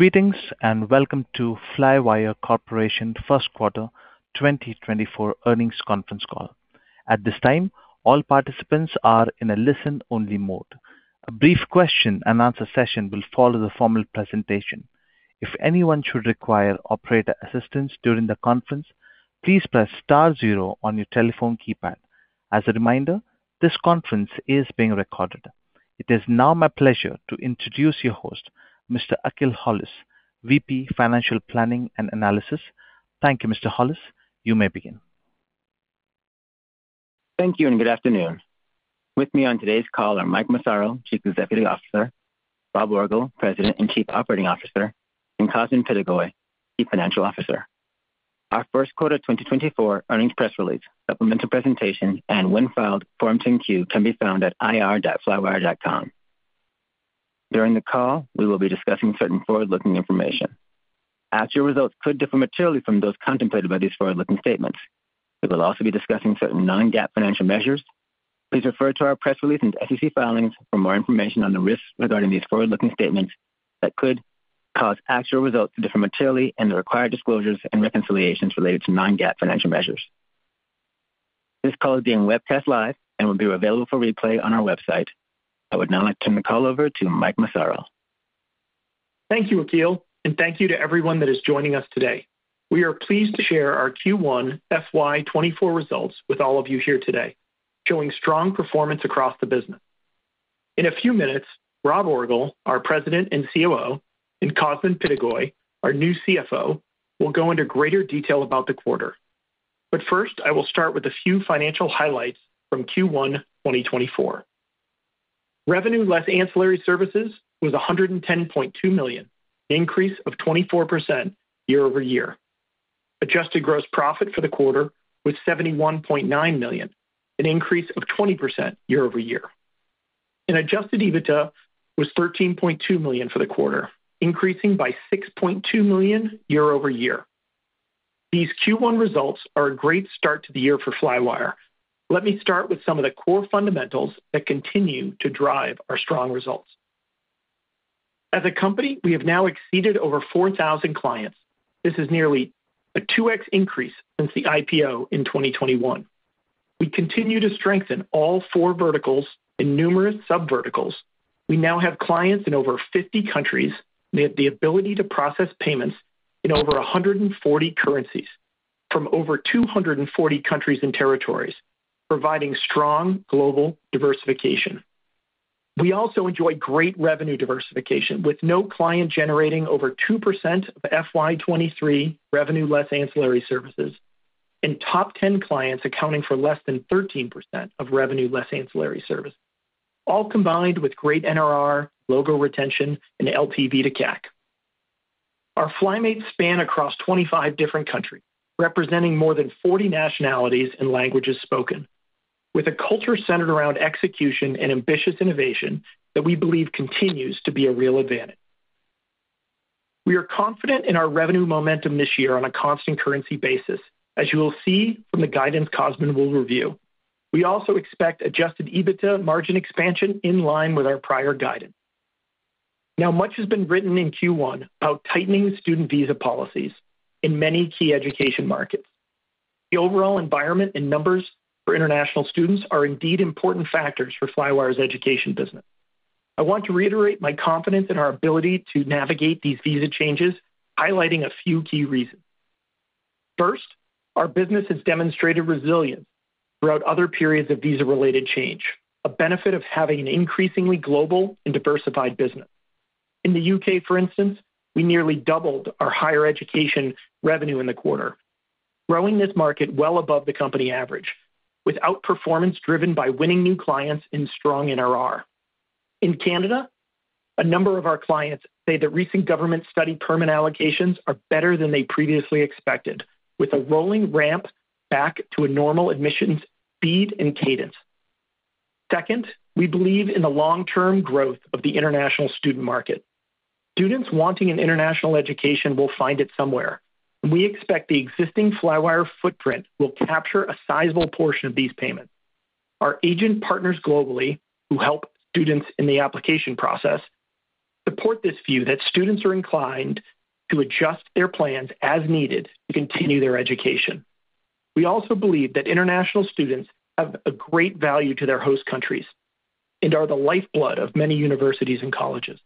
Greetings and welcome to Flywire Corporation First Quarter 2024 earnings conference call. At this time, all participants are in a listen-only mode. A brief question-and-answer session will follow the formal presentation. If anyone should require operator assistance during the conference, please press star zero on your telephone keypad. As a reminder, this conference is being recorded. It is now my pleasure to introduce your host, Mr. Akil Hollis, SVP Financial Planning and Analysis. Thank you, Mr. Hollis. You may begin. Thank you and good afternoon. With me on today's call are Mike Massaro, Chief Executive Officer, Rob Orgel, President and Chief Operating Officer, and Cosmin Pitigoi, Chief Financial Officer. Our First Quarter 2024 earnings press release, supplemental presentation, and when filed, Form 10-Q can be found at ir.flywire.com. During the call, we will be discussing certain forward-looking information. Actual results could differ materially from those contemplated by these forward-looking statements. We will also be discussing certain non-GAAP financial measures. Please refer to our press release and SEC filings for more information on the risks regarding these forward-looking statements that could cause actual results to differ materially and the required disclosures and reconciliations related to non-GAAP financial measures. This call is being webcast live and will be available for replay on our website. I would now like to turn the call over to Mike Massaro. Thank you, Akil, and thank you to everyone that is joining us today. We are pleased to share our Q1 FY 2024 results with all of you here today, showing strong performance across the business. In a few minutes, Rob Orgel, our President and COO, and Cosmin Pitigoi, our new CFO, will go into greater detail about the quarter. But first, I will start with a few financial highlights from Q1 2024. Revenue less ancillary services was $110.2 million, an increase of 24% year-over-year. Adjusted gross profit for the quarter was $71.9 million, an increase of 20% year-over-year. And Adjusted EBITDA was $13.2 million for the quarter, increasing by $6.2 million year-over-year. These Q1 results are a great start to the year for Flywire. Let me start with some of the core fundamentals that continue to drive our strong results. As a company, we have now exceeded over 4,000 clients. This is nearly a 2x increase since the IPO in 2021. We continue to strengthen all four verticals and numerous subverticals. We now have clients in over 50 countries, and they have the ability to process payments in over 140 currencies from over 240 countries and territories, providing strong global diversification. We also enjoy great revenue diversification, with no client generating over 2% of FY 2023 revenue less ancillary services and top 10 clients accounting for less than 13% of revenue less ancillary service, all combined with great NRR, logo retention, and LTV to CAC. Our Flymates span across 25 different countries, representing more than 40 nationalities and languages spoken, with a culture centered around execution and ambitious innovation that we believe continues to be a real advantage. We are confident in our revenue momentum this year on a constant currency basis, as you will see from the guidance Cosmin will review. We also expect Adjusted EBITDA margin expansion in line with our prior guidance. Now, much has been written in Q1 about tightening student visa policies in many key education markets. The overall environment and numbers for international students are indeed important factors for Flywire's education business. I want to reiterate my confidence in our ability to navigate these visa changes, highlighting a few key reasons. First, our business has demonstrated resilience throughout other periods of visa-related change, a benefit of having an increasingly global and diversified business. In the U.K., for instance, we nearly doubled our higher education revenue in the quarter, growing this market well above the company average with outperformance driven by winning new clients and strong NRR. In Canada, a number of our clients say that recent government study permit allocations are better than they previously expected, with a rolling ramp back to a normal admissions speed and cadence. Second, we believe in the long-term growth of the international student market. Students wanting an international education will find it somewhere, and we expect the existing Flywire footprint will capture a sizable portion of these payments. Our agent partners globally, who help students in the application process, support this view that students are inclined to adjust their plans as needed to continue their education. We also believe that international students have a great value to their host countries and are the lifeblood of many universities and colleges.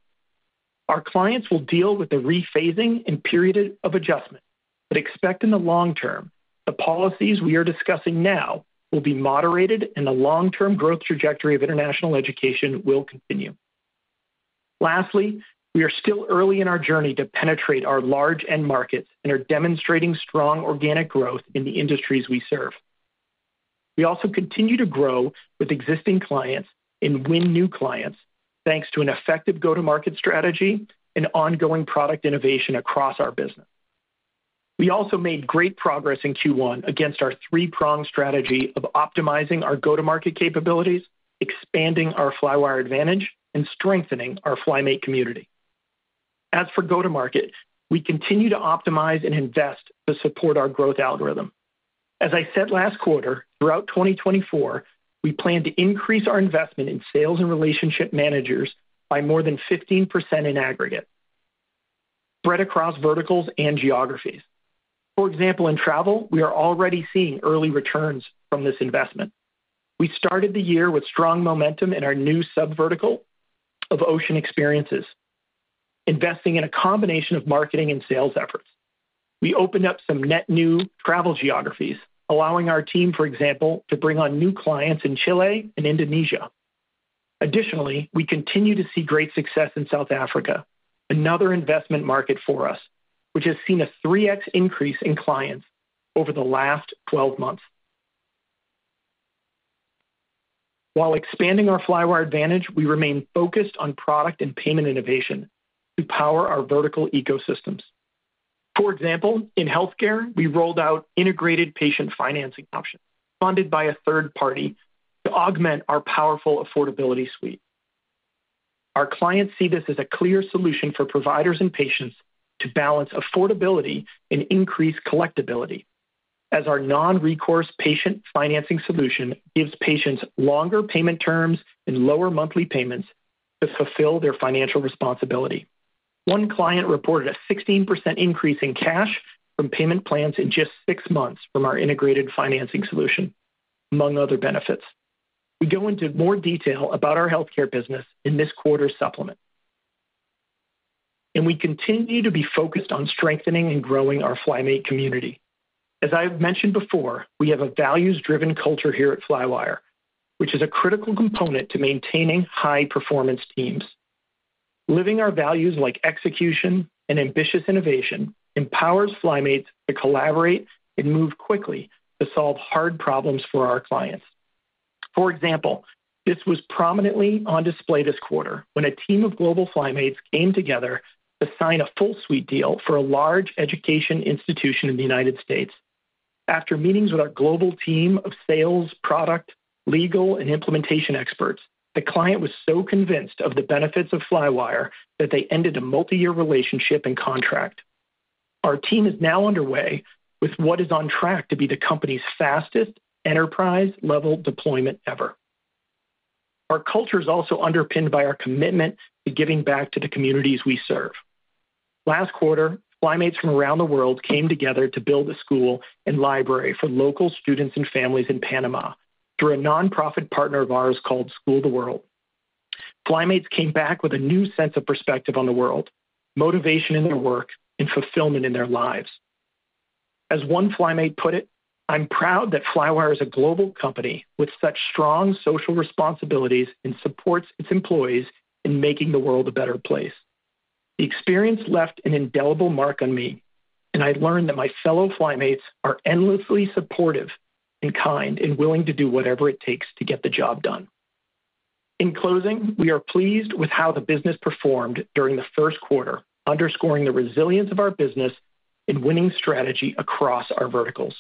Our clients will deal with the rephasing and period of adjustment but expect in the long term the policies we are discussing now will be moderated, and the long-term growth trajectory of international education will continue. Lastly, we are still early in our journey to penetrate our large end markets and are demonstrating strong organic growth in the industries we serve. We also continue to grow with existing clients and win new clients thanks to an effective go-to-market strategy and ongoing product innovation across our business. We also made great progress in Q1 against our three-pronged strategy of optimizing our go-to-market capabilities, expanding our Flywire advantage, and strengthening our Flymate community. As for go-to-market, we continue to optimize and invest to support our growth algorithm. As I said last quarter, throughout 2024, we plan to increase our investment in sales and relationship managers by more than 15% in aggregate, spread across verticals and geographies. For example, in travel, we are already seeing early returns from this investment. We started the year with strong momentum in our new subvertical of ocean experiences, investing in a combination of marketing and sales efforts. We opened up some net new travel geographies, allowing our team, for example, to bring on new clients in Chile and Indonesia. Additionally, we continue to see great success in South Africa, another investment market for us, which has seen a 3x increase in clients over the last 12 months. While expanding our Flywire advantage, we remain focused on product and payment innovation to power our vertical ecosystems. For example, in healthcare, we rolled out integrated patient financing options funded by a third party to augment our powerful affordability suite. Our clients see this as a clear solution for providers and patients to balance affordability and increase collectibility, as our non-recourse patient financing solution gives patients longer payment terms and lower monthly payments to fulfill their financial responsibility. One client reported a 16% increase in cash from payment plans in just six months from our integrated financing solution, among other benefits. We go into more detail about our healthcare business in this quarter's supplement. We continue to be focused on strengthening and growing our Flymate community. As I have mentioned before, we have a values-driven culture here at Flywire, which is a critical component to maintaining high-performance teams. Living our values like execution and ambitious innovation empowers Flymates to collaborate and move quickly to solve hard problems for our clients. For example, this was prominently on display this quarter when a team of global Flymates came together to sign a full suite deal for a large education institution in the United States. After meetings with our global team of sales, product, legal, and implementation experts, the client was so convinced of the benefits of Flywire that they ended a multi-year relationship and contract. Our team is now underway with what is on track to be the company's fastest enterprise-level deployment ever. Our culture is also underpinned by our commitment to giving back to the communities we serve. Last quarter, Flymates from around the world came together to build a school and library for local students and families in Panama through a nonprofit partner of ours called School the World. Flymates came back with a new sense of perspective on the world, motivation in their work, and fulfillment in their lives. As one Flymate put it, "I'm proud that Flywire is a global company with such strong social responsibilities and supports its employees in making the world a better place. The experience left an indelible mark on me, and I learned that my fellow Flymates are endlessly supportive and kind and willing to do whatever it takes to get the job done." In closing, we are pleased with how the business performed during the first quarter, underscoring the resilience of our business in winning strategy across our verticals.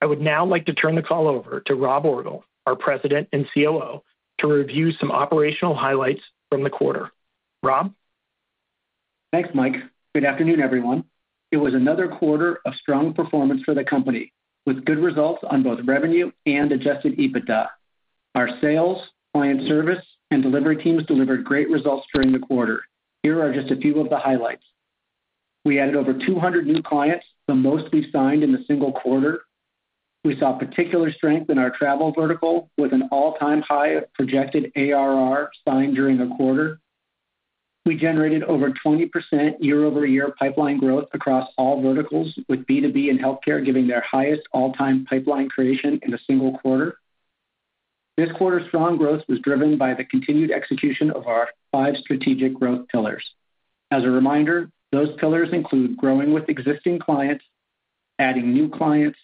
I would now like to turn the call over to Rob Orgel, our President and COO, to review some operational highlights from the quarter. Rob? Thanks, Mike. Good afternoon, everyone. It was another quarter of strong performance for the company, with good results on both revenue and Adjusted EBITDA. Our sales, client service, and delivery teams delivered great results during the quarter. Here are just a few of the highlights. We added over 200 new clients, the most we signed in the single quarter. We saw particular strength in our travel vertical, with an all-time high of projected ARR signed during a quarter. We generated over 20% year-over-year pipeline growth across all verticals, with B2B and healthcare giving their highest all-time pipeline creation in a single quarter. This quarter's strong growth was driven by the continued execution of our five strategic growth pillars. As a reminder, those pillars include growing with existing clients, adding new clients,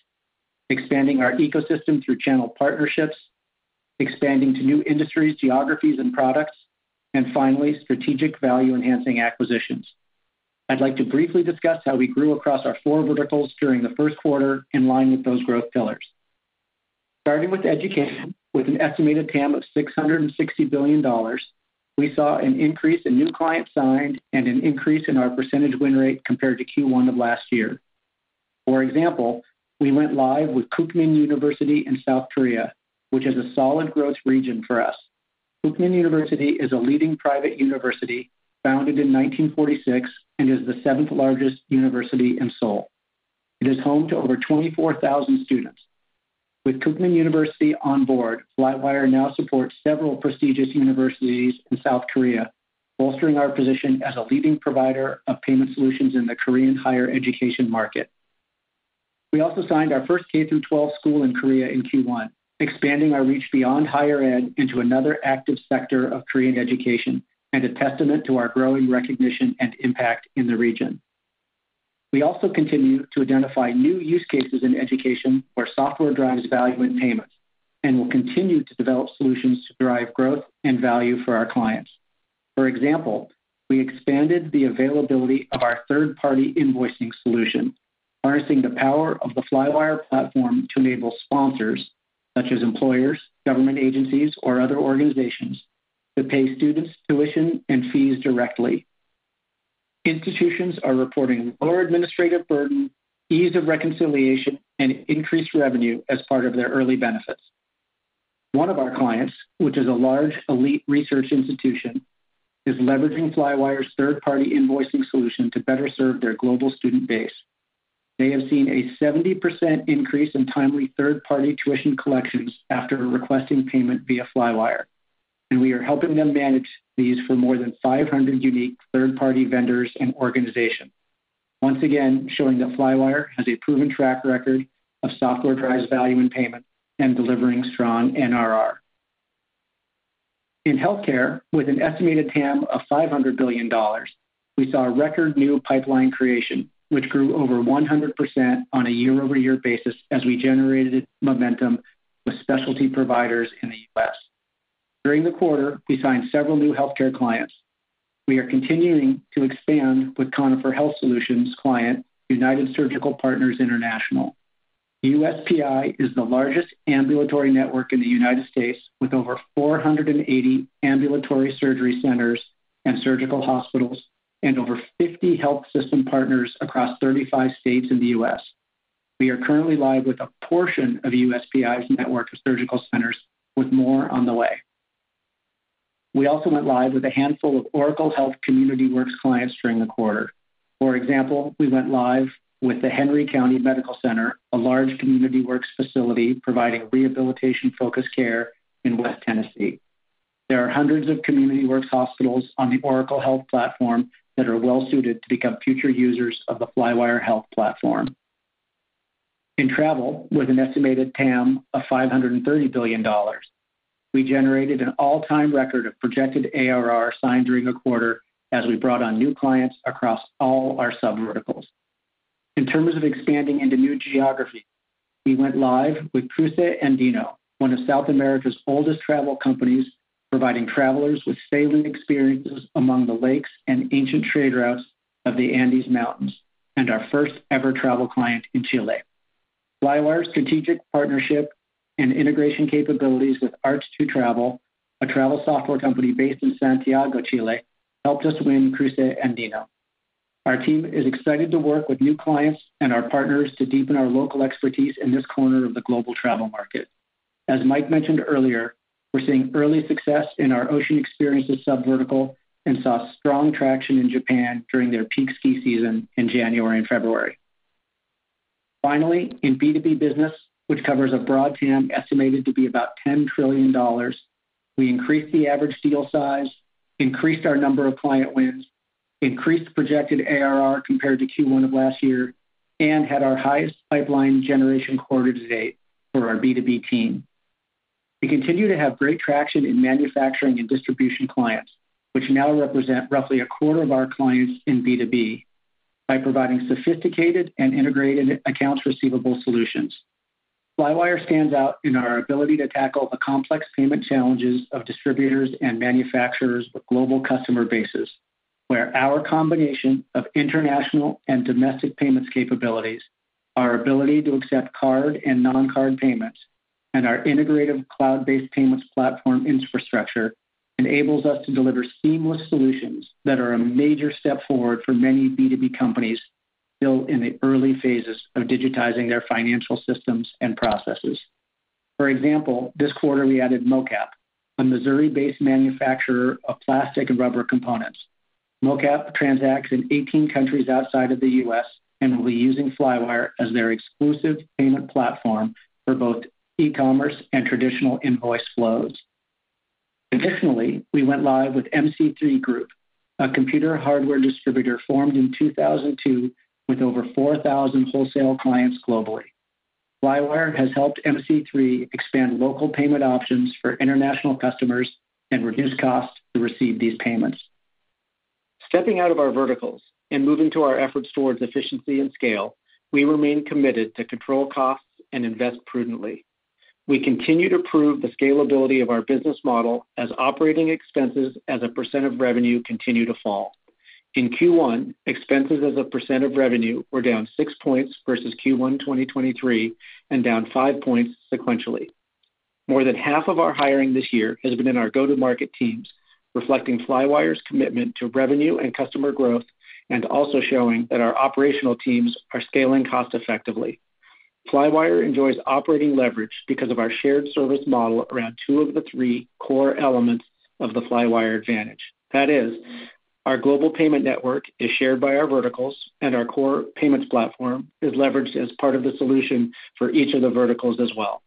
expanding our ecosystem through channel partnerships, expanding to new industries, geographies, and products, and finally, strategic value-enhancing acquisitions. I'd like to briefly discuss how we grew across our four verticals during the first quarter in line with those growth pillars. Starting with education, with an estimated TAM of $660 billion, we saw an increase in new clients signed and an increase in our percentage win rate compared to Q1 of last year. For example, we went live with Kookmin University in South Korea, which is a solid growth region for us. Kookmin University is a leading private university founded in 1946 and is the seventh largest university in Seoul. It is home to over 24,000 students. With Kookmin University on board, Flywire now supports several prestigious universities in South Korea, bolstering our position as a leading provider of payment solutions in the Korean higher education market. We also signed our first K-12 school in Korea in Q1, expanding our reach beyond higher ed into another active sector of Korean education and a testament to our growing recognition and impact in the region. We also continue to identify new use cases in education where software drives value in payments and will continue to develop solutions to drive growth and value for our clients. For example, we expanded the availability of our third-party invoicing solution, harnessing the power of the Flywire platform to enable sponsors such as employers, government agencies, or other organizations to pay students' tuition and fees directly. Institutions are reporting lower administrative burden, ease of reconciliation, and increased revenue as part of their early benefits. One of our clients, which is a large elite research institution, is leveraging Flywire's third-party invoicing solution to better serve their global student base. They have seen a 70% increase in timely third-party tuition collections after requesting payment via Flywire, and we are helping them manage these for more than 500 unique third-party vendors and organizations, once again showing that Flywire has a proven track record of software drives value in payments and delivering strong NRR. In healthcare, with an estimated TAM of $500 billion, we saw a record new pipeline creation, which grew over 100% on a year-over-year basis as we generated momentum with specialty providers in the U.S. During the quarter, we signed several new healthcare clients. We are continuing to expand with Conifer Health Solutions' client, United Surgical Partners International. USPI is the largest ambulatory network in the United States, with over 480 ambulatory surgery centers and surgical hospitals and over 50 health system partners across 35 states in the U.S. We are currently live with a portion of USPI's network of surgical centers, with more on the way. We also went live with a handful of Oracle Health CommunityWorks clients during the quarter. For example, we went live with the Henry County Medical Center, a large CommunityWorks facility providing rehabilitation-focused care in West Tennessee. There are hundreds of CommunityWorks hospitals on the Oracle Health platform that are well-suited to become future users of the Flywire Health platform. In travel, with an estimated TAM of $530 billion, we generated an all-time record of projected ARR signed during a quarter as we brought on new clients across all our subverticals. In terms of expanding into new geography, we went live with Cruce Andino, one of South America's oldest travel companies, providing travelers with sailing experiences among the lakes and ancient trade routes of the Andes Mountains and our first-ever travel client in Chile. Flywire's strategic partnership and integration capabilities with Art2Travel, a travel software company based in Santiago, Chile, helped us win Cruce Andino. Our team is excited to work with new clients and our partners to deepen our local expertise in this corner of the global travel market. As Mike mentioned earlier, we're seeing early success in our ocean experiences subvertical and saw strong traction in Japan during their peak ski season in January and February. Finally, in B2B business, which covers a broad TAM estimated to be about $10 trillion, we increased the average deal size, increased our number of client wins, increased projected ARR compared to Q1 of last year, and had our highest pipeline generation quarter to date for our B2B team. We continue to have great traction in manufacturing and distribution clients, which now represent roughly a quarter of our clients in B2B, by providing sophisticated and integrated accounts receivable solutions. Flywire stands out in our ability to tackle the complex payment challenges of distributors and manufacturers with global customer bases, where our combination of international and domestic payments capabilities, our ability to accept card and non-card payments, and our integrative cloud-based payments platform infrastructure enables us to deliver seamless solutions that are a major step forward for many B2B companies still in the early phases of digitizing their financial systems and processes. For example, this quarter, we added MOCAP, a Missouri-based manufacturer of plastic and rubber components. MOCAP transacts in 18 countries outside of the U.S. and will be using Flywire as their exclusive payment platform for both e-commerce and traditional invoice flows. Additionally, we went live with MC3 Group, a computer hardware distributor formed in 2002 with over 4,000 wholesale clients globally. Flywire has helped MC3 expand local payment options for international customers and reduce costs to receive these payments. Stepping out of our verticals and moving to our efforts towards efficiency and scale, we remain committed to control costs and invest prudently. We continue to prove the scalability of our business model as operating expenses as a percent of revenue continue to fall. In Q1, expenses as a percent of revenue were down six points versus Q1 2023 and down five points sequentially. More than half of our hiring this year has been in our go-to-market teams, reflecting Flywire's commitment to revenue and customer growth and also showing that our operational teams are scaling cost-effectively. Flywire enjoys operating leverage because of our shared service model around two of the three core elements of the Flywire advantage. That is, our global payment network is shared by our verticals, and our core payments platform is leveraged as part of the solution for each of the verticals as well.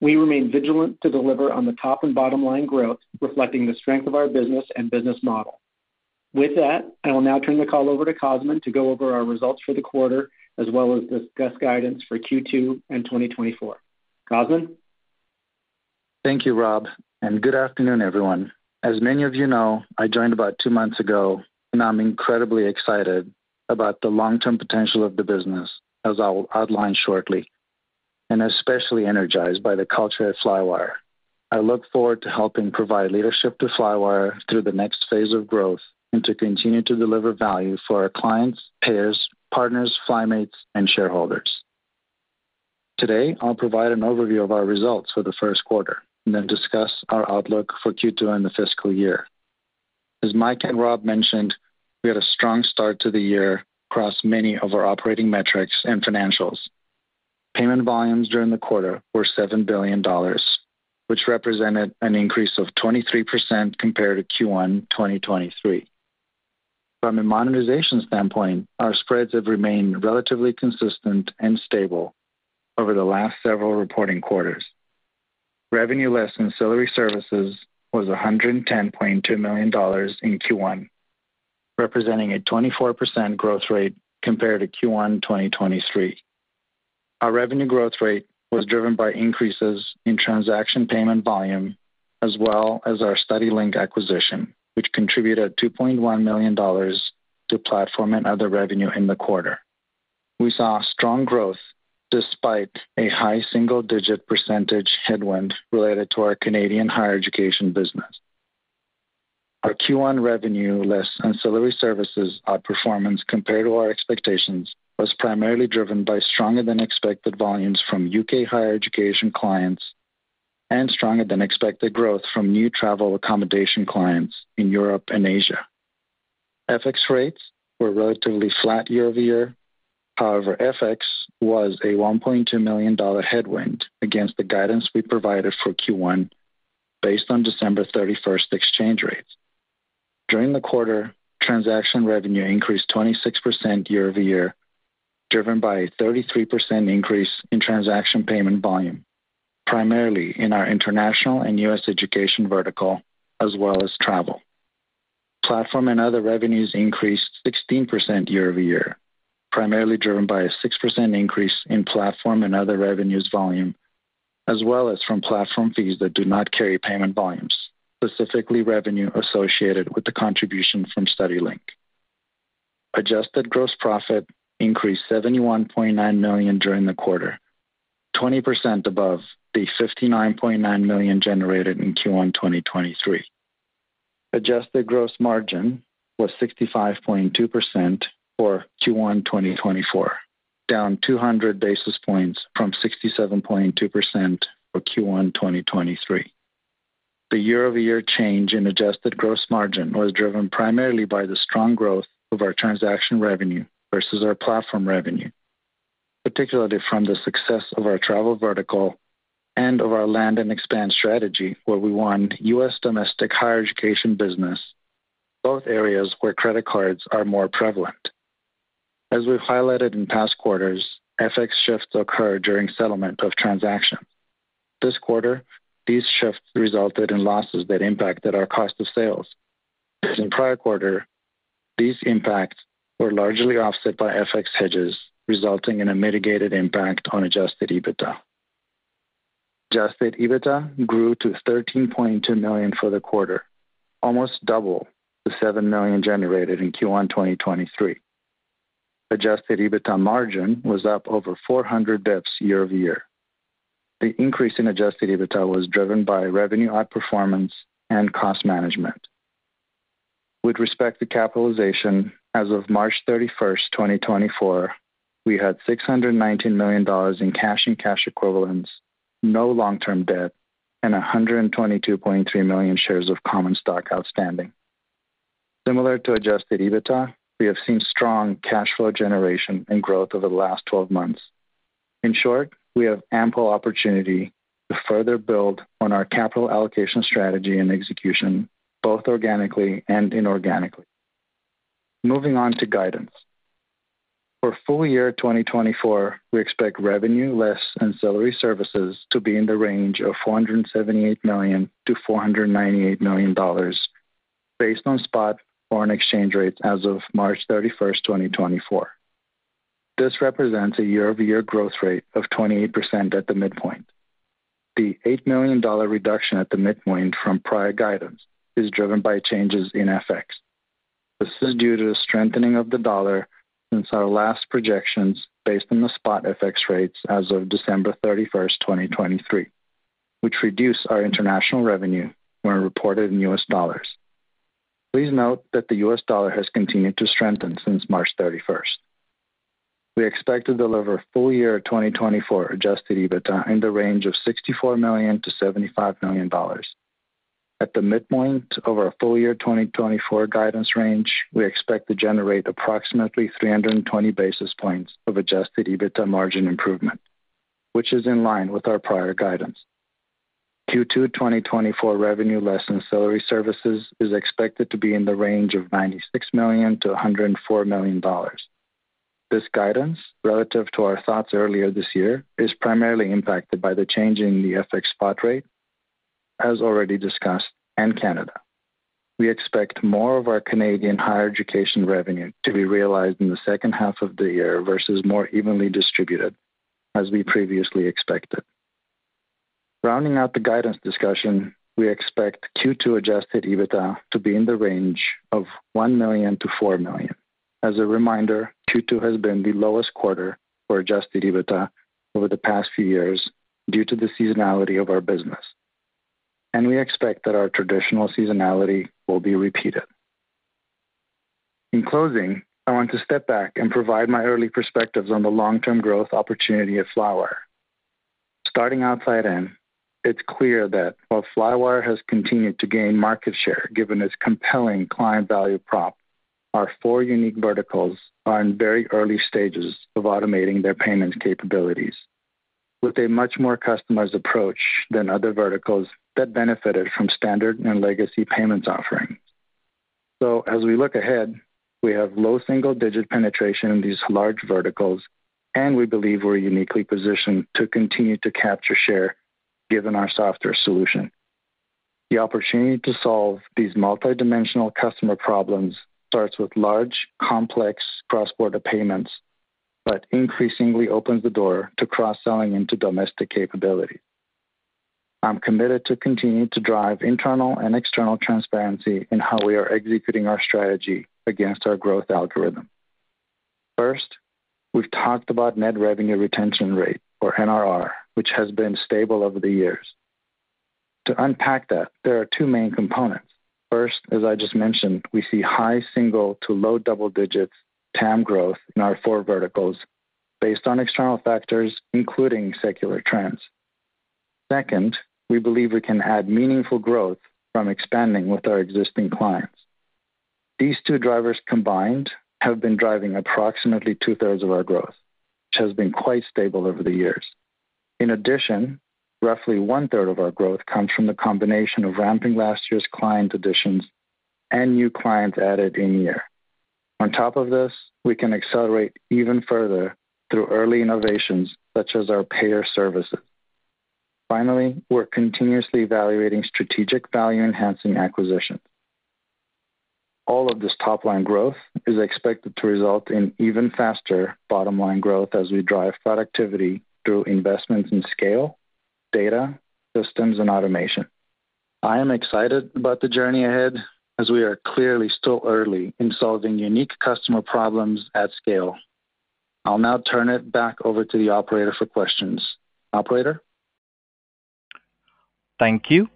We remain vigilant to deliver on the top and bottom line growth, reflecting the strength of our business and business model. With that, I will now turn the call over to Cosmin to go over our results for the quarter as well as discuss guidance for Q2 and 2024. Cosmin? Thank you, Rob, and good afternoon, everyone. As many of you know, I joined about two months ago, and I'm incredibly excited about the long-term potential of the business, as I'll outline shortly, and especially energized by the culture at Flywire. I look forward to helping provide leadership to Flywire through the next phase of growth and to continue to deliver value for our clients, payers, partners, Flymates, and shareholders. Today, I'll provide an overview of our results for the first quarter and then discuss our outlook for Q2 in the fiscal year. As Mike and Rob mentioned, we had a strong start to the year across many of our operating metrics and financials. Payment volumes during the quarter were $7 billion, which represented an increase of 23% compared to Q1 2023. From a monetization standpoint, our spreads have remained relatively consistent and stable over the last several reporting quarters. Revenue less ancillary services was $110.2 million in Q1, representing a 24% growth rate compared to Q1 2023. Our revenue growth rate was driven by increases in transaction payment volume as well as our StudyLink acquisition, which contributed $2.1 million to platform and other revenue in the quarter. We saw strong growth despite a high single-digit percentage headwind related to our Canadian higher education business. Our Q1 revenue less ancillary services outperformance compared to our expectations was primarily driven by stronger-than-expected volumes from U.K. higher education clients and stronger-than-expected growth from new travel accommodation clients in Europe and Asia. FX rates were relatively flat year-over-year. However, FX was a $1.2 million headwind against the guidance we provided for Q1 based on December 31st exchange rates. During the quarter, transaction revenue increased 26% year-over-year, driven by a 33% increase in transaction payment volume, primarily in our international and U.S. education vertical as well as travel. Platform and other revenues increased 16% year-over-year, primarily driven by a 6% increase in platform and other revenues volume as well as from platform fees that do not carry payment volumes, specifically revenue associated with the contribution from StudyLink. Adjusted gross profit increased $71.9 million during the quarter, 20% above the $59.9 million generated in Q1 2023. Adjusted gross margin was 65.2% for Q1 2024, down 200 basis points from 67.2% for Q1 2023. The year-over-year change in adjusted gross margin was driven primarily by the strong growth of our transaction revenue versus our platform revenue, particularly from the success of our travel vertical and of our land and expand strategy where we won U.S. domestic higher education business, both areas where credit cards are more prevalent. As we've highlighted in past quarters, FX shifts occur during settlement of transactions. This quarter, these shifts resulted in losses that impacted our cost of sales. In prior quarter, these impacts were largely offset by FX hedges, resulting in a mitigated impact on Adjusted EBITDA. Adjusted EBITDA grew to $13.2 million for the quarter, almost double the $7 million generated in Q1 2023. Adjusted EBITDA margin was up over 400 basis points year-over-year. The increase in Adjusted EBITDA was driven by revenue outperformance and cost management. With respect to capitalization, as of March 31st, 2024, we had $619 million in cash and cash equivalents, no long-term debt, and 122.3 million shares of common stock outstanding. Similar to Adjusted EBITDA, we have seen strong cash flow generation and growth over the last 12 months. In short, we have ample opportunity to further build on our capital allocation strategy and execution, both organically and inorganically. Moving on to guidance. For full year 2024, we expect revenue less ancillary services to be in the range of $478 million-$498 million based on spot foreign exchange rates as of March 31st, 2024. This represents a year-over-year growth rate of 28% at the midpoint. The $8 million reduction at the midpoint from prior guidance is driven by changes in FX. This is due to the strengthening of the dollar since our last projections based on the spot FX rates as of December 31st, 2023, which reduce our international revenue when reported in U.S. dollars. Please note that the U.S. dollar has continued to strengthen since March 31st. We expect to deliver full year 2024 Adjusted EBITDA in the range of $64 million-$75 million. At the midpoint of our full year 2024 guidance range, we expect to generate approximately 320 basis points of Adjusted EBITDA margin improvement, which is in line with our prior guidance. Q2 2024 revenue less ancillary services is expected to be in the range of $96 million-$104 million. This guidance, relative to our thoughts earlier this year, is primarily impacted by the change in the FX spot rate, as already discussed, and Canada. We expect more of our Canadian higher education revenue to be realized in the second half of the year versus more evenly distributed as we previously expected. Rounding out the guidance discussion, we expect Q2 Adjusted EBITDA to be in the range of $1 million-$4 million. As a reminder, Q2 has been the lowest quarter for Adjusted EBITDA over the past few years due to the seasonality of our business, and we expect that our traditional seasonality will be repeated. In closing, I want to step back and provide my early perspectives on the long-term growth opportunity at Flywire. Starting outside in, it's clear that while Flywire has continued to gain market share given its compelling client value prop, our four unique verticals are in very early stages of automating their payments capabilities with a much more customized approach than other verticals that benefited from standard and legacy payments offerings. So as we look ahead, we have low single-digit penetration in these large verticals, and we believe we're uniquely positioned to continue to capture share given our software solution. The opportunity to solve these multidimensional customer problems starts with large, complex cross-border payments but increasingly opens the door to cross-selling into domestic capabilities. I'm committed to continue to drive internal and external transparency in how we are executing our strategy against our growth algorithm. First, we've talked about net revenue retention rate, or NRR, which has been stable over the years. To unpack that, there are two main components. First, as I just mentioned, we see high single- to low double-digit TAM growth in our four verticals based on external factors, including secular trends. Second, we believe we can add meaningful growth from expanding with our existing clients. These two drivers combined have been driving approximately two-thirds of our growth, which has been quite stable over the years. In addition, roughly one-third of our growth comes from the combination of ramping last year's client additions and new clients added in year. On top of this, we can accelerate even further through early innovations such as our payer services. Finally, we're continuously evaluating strategic value-enhancing acquisitions. All of this top-line growth is expected to result in even faster bottom-line growth as we drive productivity through investments in scale, data, systems, and automation. I am excited about the journey ahead as we are clearly still early in solving unique customer problems at scale. I'll now turn it back over to the operator for questions. Operator? Thank you.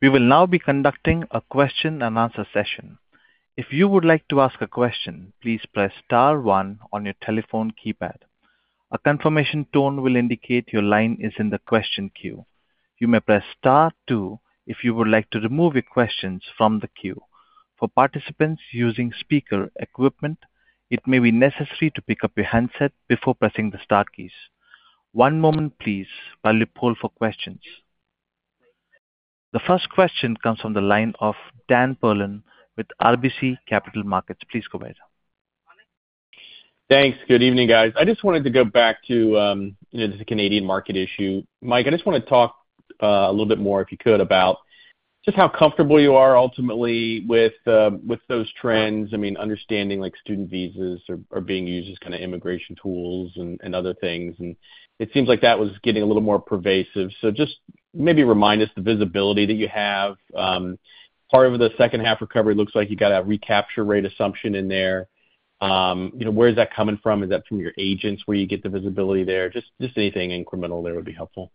We will now be conducting a question-and-answer session. If you would like to ask a question, please press star one on your telephone keypad. A confirmation tone will indicate your line is in the question queue. You may press star two if you would like to remove your questions from the queue. For participants using speaker equipment, it may be necessary to pick up your handset before pressing the star keys. One moment, please, while we poll for questions. The first question comes from the line of Dan Perlin with RBC Capital Markets. Please go ahead. Thanks. Good evening, guys. I just wanted to go back to this Canadian market issue. Mike, I just want to talk a little bit more, if you could, about just how comfortable you are ultimately with those trends, I mean, understanding student visas are being used as kind of immigration tools and other things. It seems like that was getting a little more pervasive. Just maybe remind us the visibility that you have. Part of the second-half recovery looks like you got a recapture rate assumption in there. Where is that coming from? Is that from your agents where you get the visibility there? Just anything incremental there would be helpful.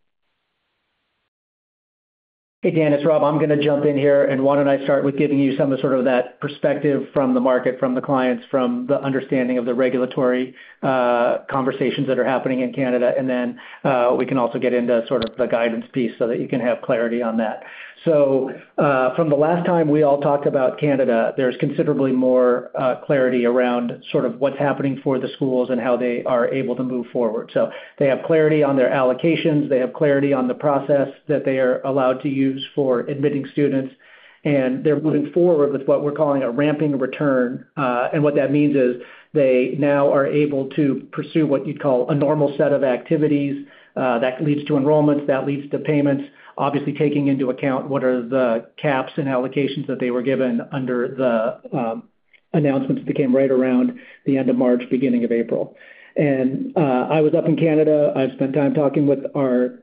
Hey, Dan. It's Rob. I'm going to jump in here. And why don't I start with giving you some of sort of that perspective from the market, from the clients, from the understanding of the regulatory conversations that are happening in Canada? And then we can also get into sort of the guidance piece so that you can have clarity on that. So from the last time we all talked about Canada, there's considerably more clarity around sort of what's happening for the schools and how they are able to move forward. So they have clarity on their allocations. They have clarity on the process that they are allowed to use for admitting students. And they're moving forward with what we're calling a ramping return. What that means is they now are able to pursue what you'd call a normal set of activities that leads to enrollments, that leads to payments, obviously taking into account what are the caps and allocations that they were given under the announcements that came right around the end of March, beginning of April. I was up in Canada. I've spent time talking with our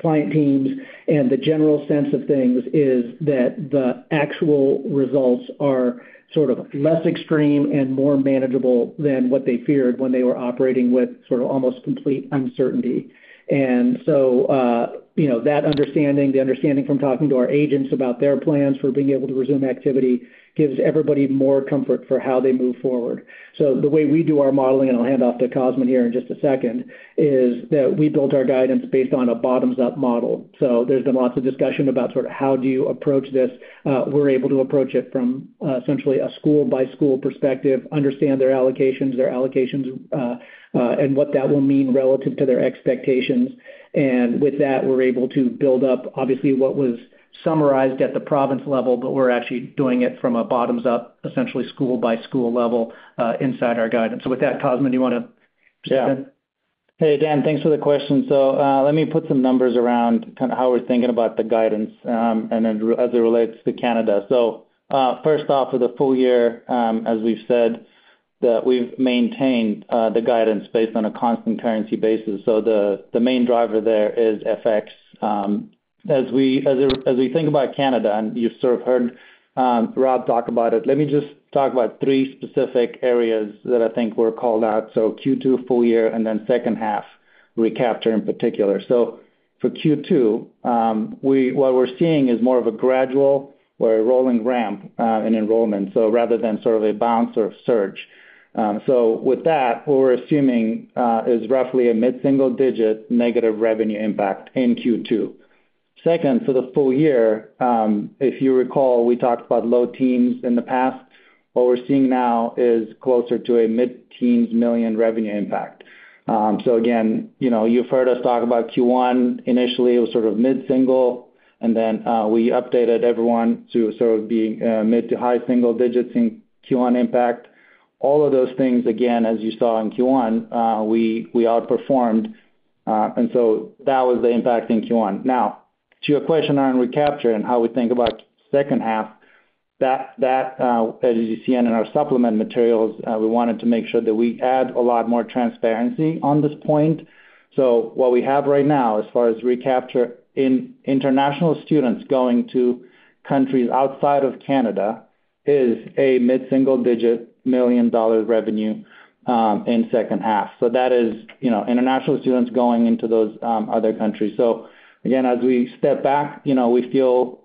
client teams. The general sense of things is that the actual results are sort of less extreme and more manageable than what they feared when they were operating with sort of almost complete uncertainty. That understanding, the understanding from talking to our agents about their plans for being able to resume activity, gives everybody more comfort for how they move forward. So the way we do our modeling, and I'll hand off to Cosmin here in just a second, is that we built our guidance based on a bottoms-up model. So there's been lots of discussion about sort of how do you approach this. We're able to approach it from essentially a school-by-school perspective, understand their allocations, their allocations, and what that will mean relative to their expectations. And with that, we're able to build up, obviously, what was summarized at the province level, but we're actually doing it from a bottoms-up, essentially school-by-school level inside our guidance. So with that, Cosmin, do you want to jump in? Yeah. Hey, Dan. Thanks for the question. So let me put some numbers around kind of how we're thinking about the guidance and then as it relates to Canada. So first off, for the full year, as we've said, that we've maintained the guidance based on a constant currency basis. So the main driver there is FX. As we think about Canada, and you've sort of heard Rob talk about it, let me just talk about three specific areas that I think were called out. So Q2, full year, and then second-half recapture in particular. So for Q2, what we're seeing is more of a gradual or a rolling ramp in enrollment, so rather than sort of a bounce or surge. So with that, what we're assuming is roughly a mid-single digit negative revenue impact in Q2. Second, for the full year, if you recall, we talked about low teens in the past. What we're seeing now is closer to a mid-teens million dollar revenue impact. So again, you've heard us talk about Q1. Initially, it was sort of mid-single. Then we updated everyone to sort of being mid- to high single digits in Q1 impact. All of those things, again, as you saw in Q1, we outperformed. So that was the impact in Q1. Now, to your question around recapture and how we think about second half, as you see in our supplement materials, we wanted to make sure that we add a lot more transparency on this point. So what we have right now as far as recapture in international students going to countries outside of Canada is a mid-single digit million dollar revenue in second half. So that is international students going into those other countries. So again, as we step back, we feel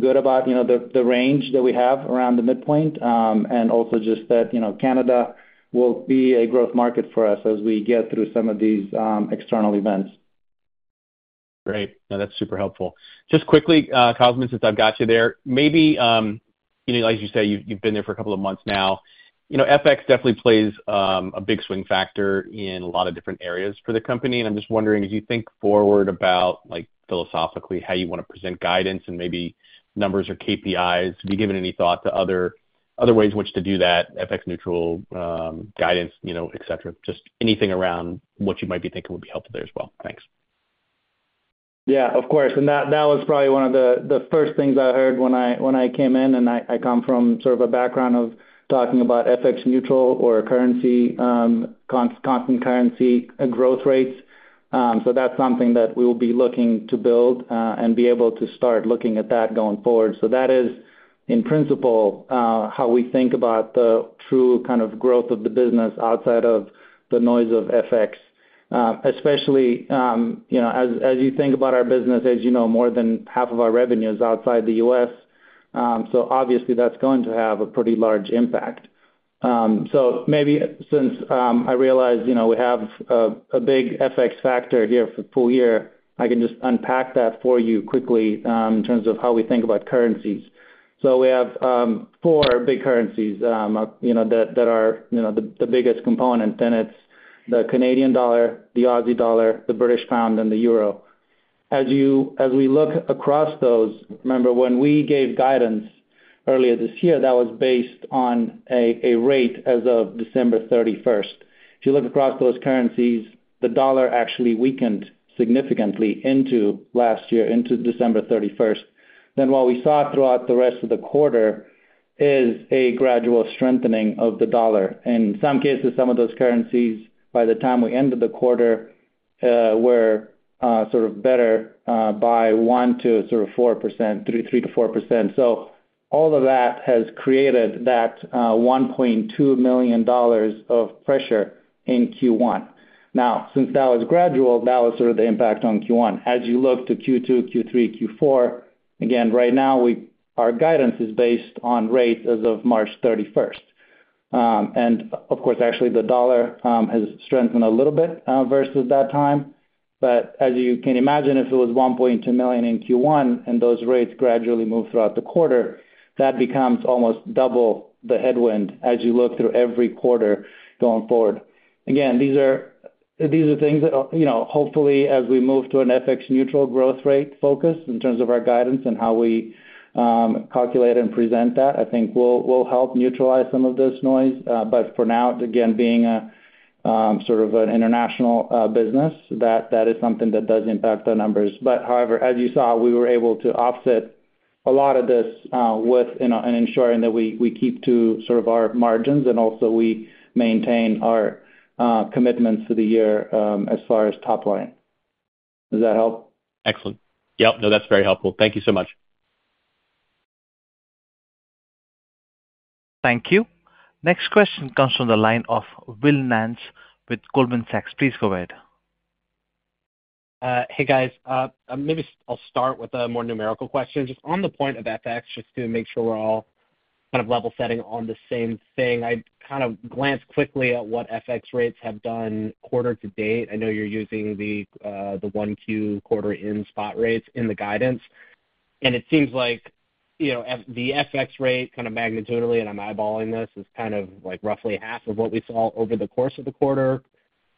good about the range that we have around the midpoint and also just that Canada will be a growth market for us as we get through some of these external events. Great. No, that's super helpful. Just quickly, Cosmin, since I've got you there, maybe as you say, you've been there for a couple of months now, FX definitely plays a big swing factor in a lot of different areas for the company. And I'm just wondering, as you think forward about philosophically how you want to present guidance and maybe numbers or KPIs, have you given any thought to other ways in which to do that, FX neutral guidance, etc.? Just anything around what you might be thinking would be helpful there as well. Thanks. Yeah, of course. And that was probably one of the first things I heard when I came in. And I come from sort of a background of talking about FX neutral or constant currency growth rates. So that's something that we will be looking to build and be able to start looking at that going forward. So that is, in principle, how we think about the true kind of growth of the business outside of the noise of FX, especially as you think about our business, as you know, more than half of our revenue is outside the U.S. So obviously, that's going to have a pretty large impact. So maybe since I realize we have a big FX factor here for full year, I can just unpack that for you quickly in terms of how we think about currencies. So we have four big currencies that are the biggest component. Then it's the Canadian dollar, the Aussie dollar, the British pound, and the euro. As we look across those, remember, when we gave guidance earlier this year, that was based on a rate as of December 31st. If you look across those currencies, the dollar actually weakened significantly last year, into December 31st. Then what we saw throughout the rest of the quarter is a gradual strengthening of the dollar. In some cases, some of those currencies, by the time we ended the quarter, were sort of better by 1% to sort of 4%, 3%-4%. So all of that has created that $1.2 million of pressure in Q1. Now, since that was gradual, that was sort of the impact on Q1. As you look to Q2, Q3, Q4, again, right now, our guidance is based on rates as of March 31st. And of course, actually, the dollar has strengthened a little bit versus that time. But as you can imagine, if it was $1.2 million in Q1 and those rates gradually move throughout the quarter, that becomes almost double the headwind as you look through every quarter going forward. Again, these are things that hopefully, as we move to an FX neutral growth rate focus in terms of our guidance and how we calculate and present that, I think will help neutralize some of this noise. But for now, again, being sort of an international business, that is something that does impact our numbers. However, as you saw, we were able to offset a lot of this with ensuring that we keep to sort of our margins and also we maintain our commitments for the year as far as top-line. Does that help? Excellent. Yep. No, that's very helpful. Thank you so much. Thank you. Next question comes from the line of Will Nance with Goldman Sachs. Please go ahead. Hey, guys. Maybe I'll start with a more numerical question. Just on the point of FX, just to make sure we're all kind of level setting on the same thing, I kind of glanced quickly at what FX rates have done quarter to date. I know you're using the 1Q quarter-end spot rates in the guidance. And it seems like the FX rate kind of magnitudely - and I'm eyeballing this - is kind of roughly half of what we saw over the course of the quarter.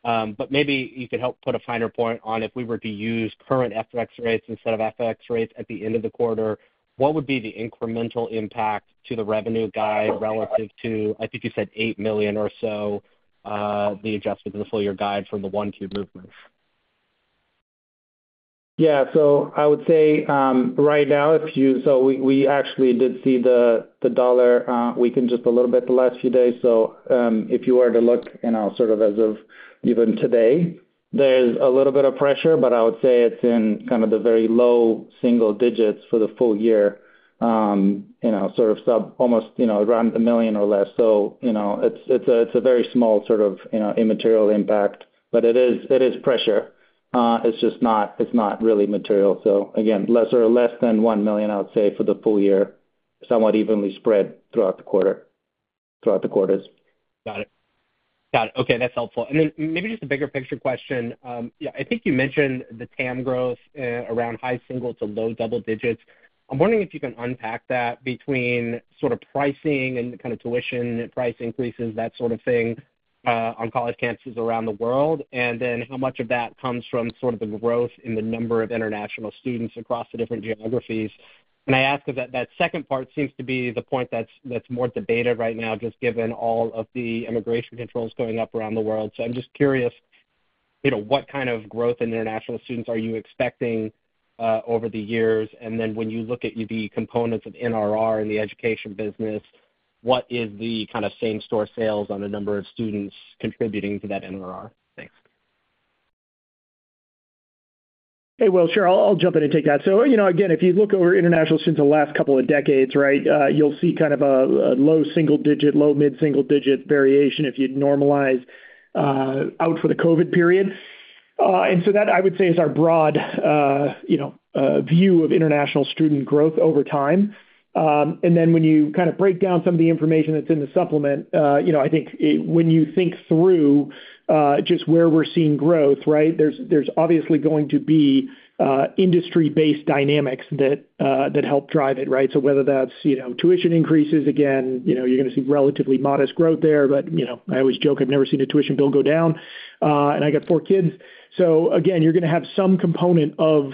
But maybe you could help put a finer point on if we were to use current FX rates instead of FX rates at the end of the quarter, what would be the incremental impact to the revenue guide relative to, I think you said, $8 million or so, the adjustment to the full-year guide from the 1Q movement? Yeah. So I would say right now, if you so we actually did see the dollar weaken just a little bit the last few days. So if you were to look sort of as of even today, there's a little bit of pressure, but I would say it's in kind of the very low single digits for the full year, sort of almost around $1 million or less. So it's a very small sort of immaterial impact, but it is pressure. It's just not really material. So again, less than $1 million, I would say, for the full year, somewhat evenly spread throughout the quarters. Got it. Got it. Okay. That's helpful. And then maybe just a bigger picture question. Yeah, I think you mentioned the TAM growth around high single to low double digits. I'm wondering if you can unpack that between sort of pricing and kind of tuition price increases, that sort of thing on college campuses around the world, and then how much of that comes from sort of the growth in the number of international students across the different geographies. And I ask because that second part seems to be the point that's more debated right now just given all of the immigration controls going up around the world. So I'm just curious, what kind of growth in international students are you expecting over the years? And then when you look at the components of NRR in the education business, what is the kind of same-store sales on the number of students contributing to that NRR? Thanks. Hey, well, sure. I'll jump in and take that. So again, if you look over international students the last couple of decades, right, you'll see kind of a low single-digit, low mid-single-digit variation if you'd normalize out for the COVID period. And so that, I would say, is our broad view of international student growth over time. And then when you kind of break down some of the information that's in the supplement, I think when you think through just where we're seeing growth, right, there's obviously going to be industry-based dynamics that help drive it, right? So whether that's tuition increases, again, you're going to see relatively modest growth there. But I always joke, "I've never seen a tuition bill go down." And I got four kids. So again, you're going to have some component of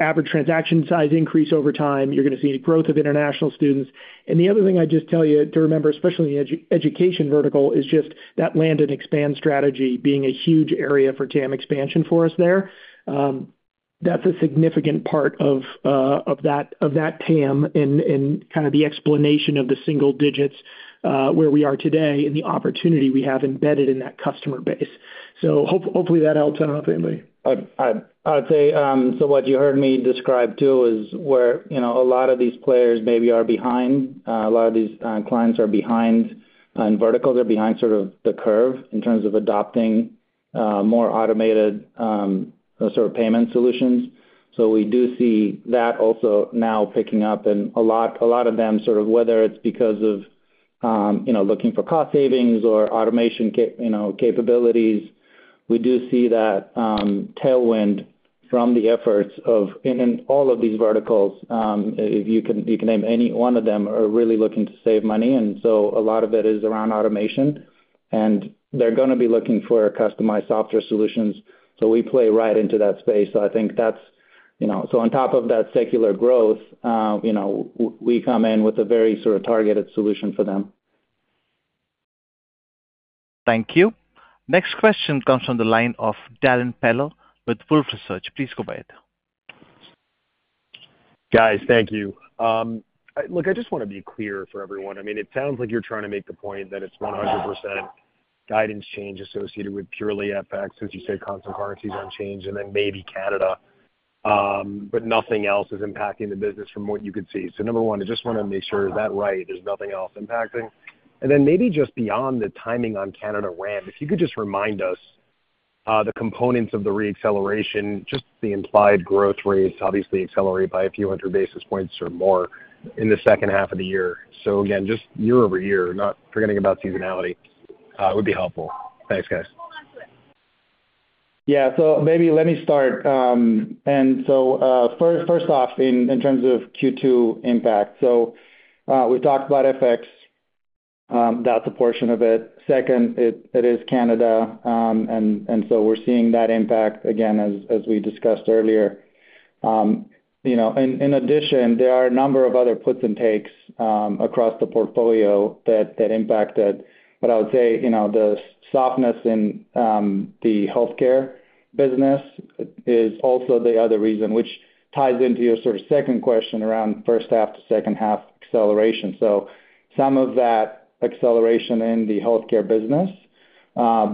average transaction size increase over time. You're going to see growth of international students. The other thing I'd just tell you to remember, especially in the education vertical, is just that land and expand strategy being a huge area for TAM expansion for us there. That's a significant part of that TAM and kind of the explanation of the single digits where we are today and the opportunity we have embedded in that customer base. So hopefully, that helps. I don't know if anybody. I would say, so what you heard me describe too is where a lot of these players maybe are behind. A lot of these clients are behind, and verticals are behind, sort of the curve in terms of adopting more automated sort of payment solutions. So we do see that also now picking up. And a lot of them sort of whether it's because of looking for cost savings or automation capabilities, we do see that tailwind from the efforts of in all of these verticals, if you can name any one of them, are really looking to save money. And so a lot of it is around automation. And they're going to be looking for customized software solutions. So we play right into that space. So I think that's so on top of that secular growth, we come in with a very sort of targeted solution for them. Thank you. Next question comes from the line of Darrin Peller with Wolfe Research. Please go ahead. Guys, thank you. Look, I just want to be clear for everyone. I mean, it sounds like you're trying to make the point that it's 100% guidance change associated with purely FX, as you say, constant currencies unchanged, and then maybe Canada, but nothing else is impacting the business from what you could see. So number one, I just want to make sure is that right? There's nothing else impacting? And then maybe just beyond the timing on Canada ramp, if you could just remind us the components of the reacceleration, just the implied growth rates obviously accelerate by a few hundred basis points or more in the second half of the year. So again, just year-over-year, not forgetting about seasonality, would be helpful. Thanks, guys. Yeah. So maybe let me start. So first off, in terms of Q2 impact, so we've talked about FX. That's a portion of it. Second, it is Canada. So we're seeing that impact, again, as we discussed earlier. In addition, there are a number of other puts and takes across the portfolio that impact it. But I would say the softness in the healthcare business is also the other reason, which ties into your sort of second question around first half to second half acceleration. So some of that acceleration in the healthcare business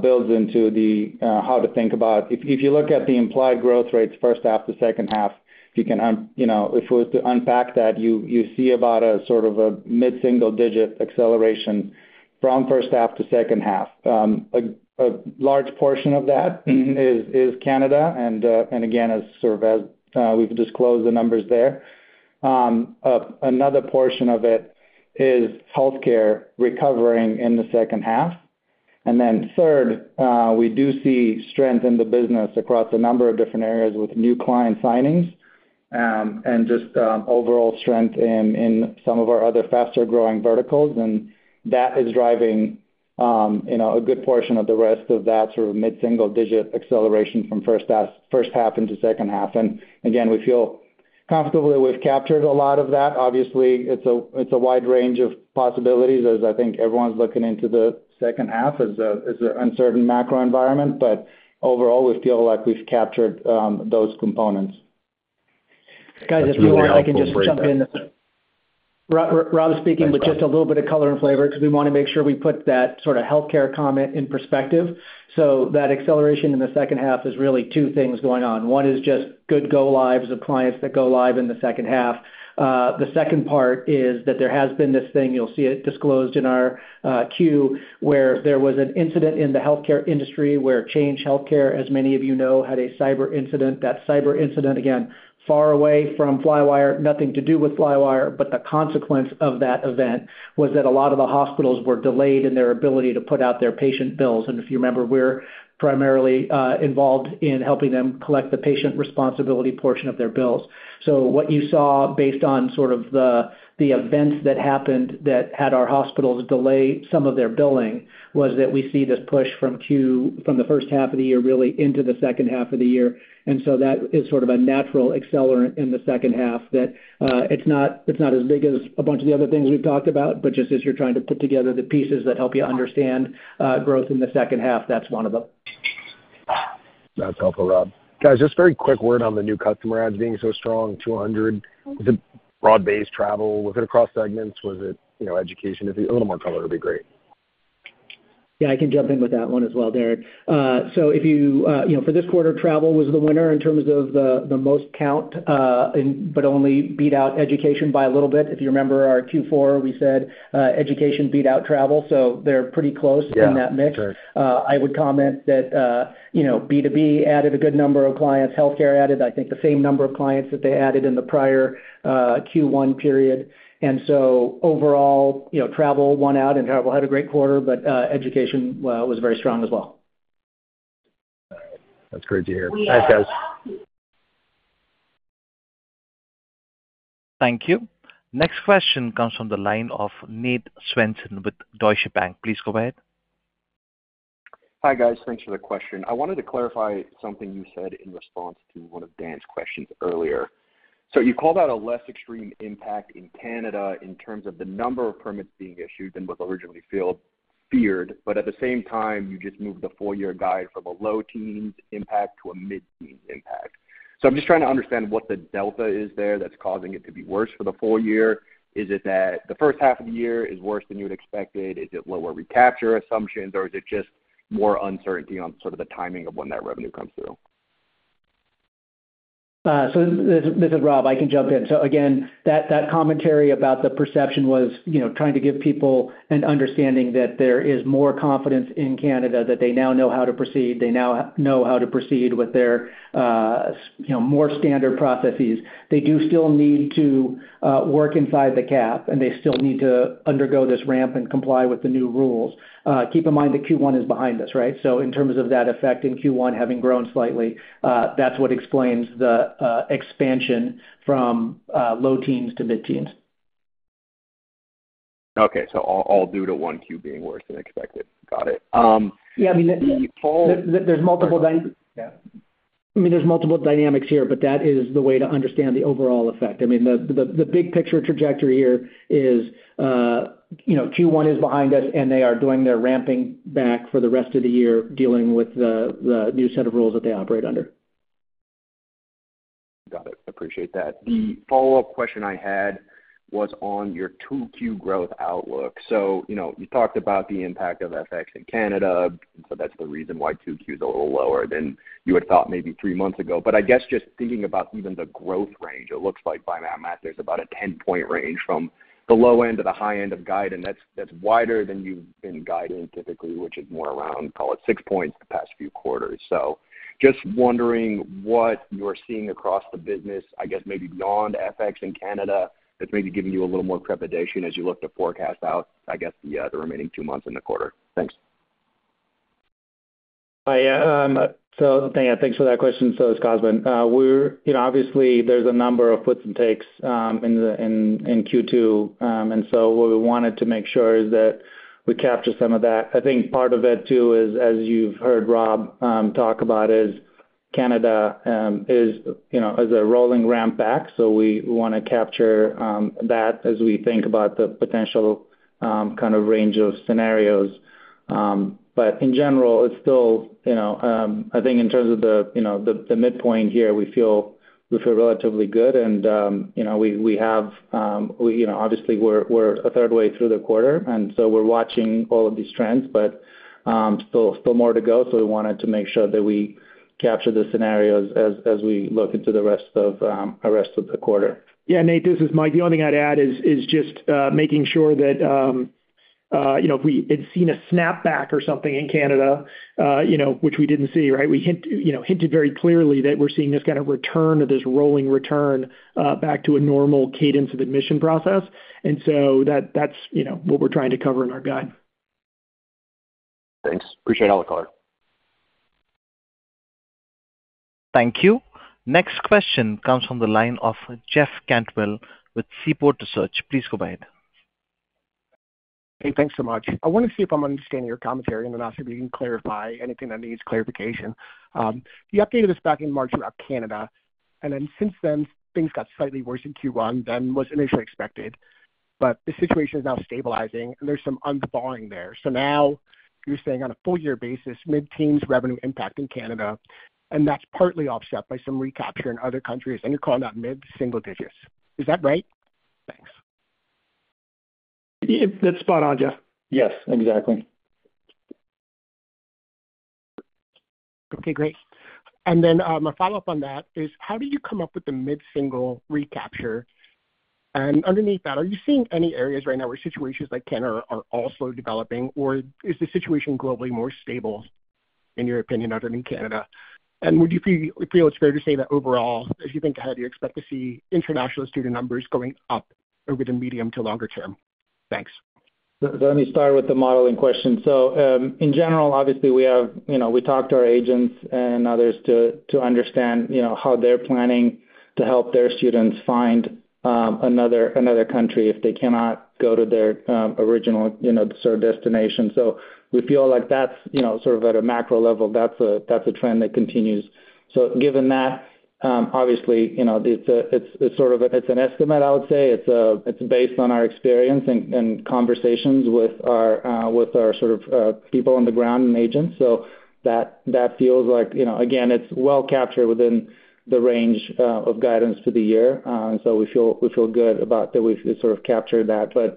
builds into how to think about if you look at the implied growth rates first half to second half, if you can if we were to unpack that, you see about a sort of a mid-single digit acceleration from first half to second half. A large portion of that is Canada. And again, as sort of as we've disclosed the numbers there. Another portion of it is healthcare recovering in the second half. And then third, we do see strength in the business across a number of different areas with new client signings and just overall strength in some of our other faster-growing verticals. And that is driving a good portion of the rest of that sort of mid-single digit acceleration from first half into second half. And again, we feel comfortable that we've captured a lot of that. Obviously, it's a wide range of possibilities as I think everyone's looking into the second half as an uncertain macro environment. But overall, we feel like we've captured those components. Guys, if you want, I can just jump in. Rob speaking with just a little bit of color and flavor because we want to make sure we put that sort of healthcare comment in perspective. So that acceleration in the second half is really two things going on. One is just good go-lives of clients that go live in the second half. The second part is that there has been this thing you'll see it disclosed in our Q where there was an incident in the healthcare industry where Change Healthcare, as many of you know, had a cyber incident. That cyber incident, again, far away from Flywire, nothing to do with Flywire, but the consequence of that event was that a lot of the hospitals were delayed in their ability to put out their patient bills. If you remember, we're primarily involved in helping them collect the patient responsibility portion of their bills. What you saw based on sort of the events that happened that had our hospitals delay some of their billing was that we see this push from the first half of the year really into the second half of the year. That is sort of a natural accelerant in the second half that it's not as big as a bunch of the other things we've talked about, but just as you're trying to put together the pieces that help you understand growth in the second half, that's one of them. That's helpful, Rob. Guys, just a very quick word on the new customer adds being so strong, 200. Was it broad-based travel? Was it across segments? Was it education? If you could give a little more color, that would be great. Yeah, I can jump in with that one as well, Darrin. So if you for this quarter, travel was the winner in terms of the most count, but only beat out education by a little bit. If you remember our Q4, we said education beat out travel. So they're pretty close in that mix. I would comment that B2B added a good number of clients. Healthcare added, I think, the same number of clients that they added in the prior Q1 period. And so overall, travel won out and travel had a great quarter, but education was very strong as well. That's great to hear. Thanks, guys. Thank you. Next question comes from the line of Nate Svensson with Deutsche Bank. Please go ahead. Hi, guys. Thanks for the question. I wanted to clarify something you said in response to one of Dan's questions earlier. So you called out a less extreme impact in Canada in terms of the number of permits being issued than was originally feared. But at the same time, you just moved the full-year guide from a low-teens impact to a mid-teens impact. So I'm just trying to understand what the delta is there that's causing it to be worse for the full year. Is it that the first half of the year is worse than you had expected? Is it lower recapture assumptions, or is it just more uncertainty on sort of the timing of when that revenue comes through? So this is Rob. I can jump in. So again, that commentary about the perception was trying to give people an understanding that there is more confidence in Canada, that they now know how to proceed. They now know how to proceed with their more standard processes. They do still need to work inside the cap, and they still need to undergo this ramp and comply with the new rules. Keep in mind that Q1 is behind us, right? So in terms of that effect in Q1 having grown slightly, that's what explains the expansion from low-teens to mid-teens. Okay. So all due to 1Q being worse than expected. Got it. Yeah. I mean. The whole. There's multiple. Yeah. I mean, there's multiple dynamics here, but that is the way to understand the overall effect. I mean, the big picture trajectory here is Q1 is behind us, and they are doing their ramping back for the rest of the year, dealing with the new set of rules that they operate under. Got it. Appreciate that. The follow-up question I had was on your 2Q growth outlook. So you talked about the impact of FX in Canada. So that's the reason why 2Q is a little lower than you had thought maybe three months ago. But I guess just thinking about even the growth range, it looks like by my math, there's about a 10-point range from the low end to the high end of guidance. That's wider than you've been guiding typically, which is more around, call it, 6 points the past few quarters. So just wondering what you're seeing across the business, I guess maybe beyond FX in Canada that's maybe giving you a little more trepidation as you look to forecast out, I guess, the remaining two months and the quarter. Thanks. So the thing, thanks for that question. So it's Cosmin. Obviously, there's a number of puts and takes in Q2. And so what we wanted to make sure is that we capture some of that. I think part of it too, as you've heard Rob talk about, is Canada is a rolling ramp back. So we want to capture that as we think about the potential kind of range of scenarios. But in general, it's still I think in terms of the midpoint here, we feel relatively good. And we have obviously, we're a third way through the quarter. And so we're watching all of these trends, but still more to go. So we wanted to make sure that we capture the scenarios as we look into the rest of the quarter. Yeah, Nate, this is Mike. The only thing I'd add is just making sure that if we had seen a snapback or something in Canada, which we didn't see, right, we hinted very clearly that we're seeing this kind of return of this rolling return back to a normal cadence of admission process. So that's what we're trying to cover in our guide. Thanks. Appreciate all the color. Thank you. Next question comes from the line of Jeff Cantwell with Seaport Research. Please go ahead. Hey, thanks so much. I want to see if I'm understanding your commentary and then ask if you can clarify anything that needs clarification. You updated this back in March about Canada. Then since then, things got slightly worse in Q1 than was initially expected. The situation is now stabilizing, and there's some inflection there. Now you're saying on a full-year basis, mid-teens revenue impact in Canada, and that's partly offset by some recapture in other countries. You're calling that mid-single digits. Is that right? Thanks. That's spot on, Jeff. Yes, exactly. Okay, great. And then my follow-up on that is, how do you come up with the mid-single recapture? And underneath that, are you seeing any areas right now where situations like Canada are also developing, or is the situation globally more stable in your opinion other than Canada? And would you feel it's fair to say that overall, as you think ahead, you expect to see international student numbers going up over the medium to longer term? Thanks. So let me start with the modeling question. So in general, obviously, we talk to our agents and others to understand how they're planning to help their students find another country if they cannot go to their original sort of destination. So we feel like that's sort of at a macro level, that's a trend that continues. So given that, obviously, it's sort of an estimate, I would say. It's based on our experience and conversations with our sort of people on the ground and agents. So that feels like again, it's well captured within the range of guidance for the year. And so we feel good about that we've sort of captured that. But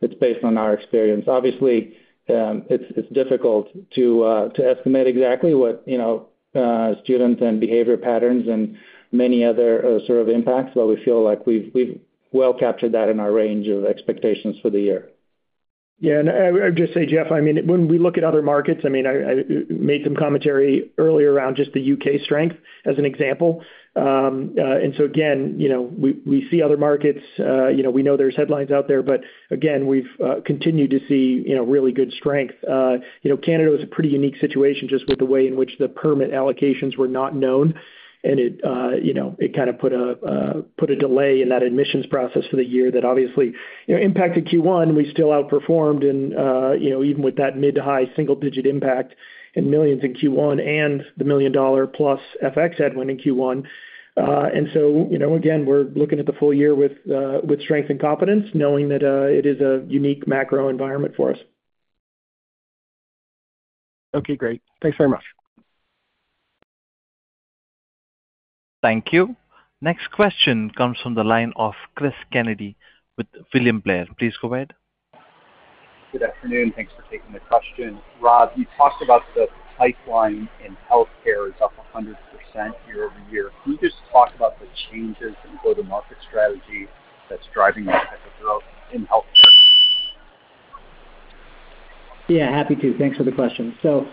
it's based on our experience. Obviously, it's difficult to estimate exactly what students and behavior patterns and many other sort of impacts, but we feel like we've well captured that in our range of expectations for the year. Yeah. I would just say, Jeff, I mean, when we look at other markets, I mean, I made some commentary earlier around just the U.K. strength as an example. So again, we see other markets. We know there's headlines out there. But again, we've continued to see really good strength. Canada was a pretty unique situation just with the way in which the permit allocations were not known. It kind of put a delay in that admissions process for the year that obviously impacted Q1. We still outperformed even with that mid- to high single-digit impact and millions dollar in Q1 and the $1 million+ FX headwind in Q1. So again, we're looking at the full year with strength and confidence, knowing that it is a unique macro environment for us. Okay, great. Thanks very much. Thank you. Next question comes from the line of Chris Kennedy with William Blair. Please go ahead. Good afternoon. Thanks for taking the question. Rob, you talked about the pipeline in healthcare is up 100% year-over-year. Can you just talk about the changes in go-to-market strategy that's driving this type of growth in healthcare? Yeah, happy to. Thanks for the question. So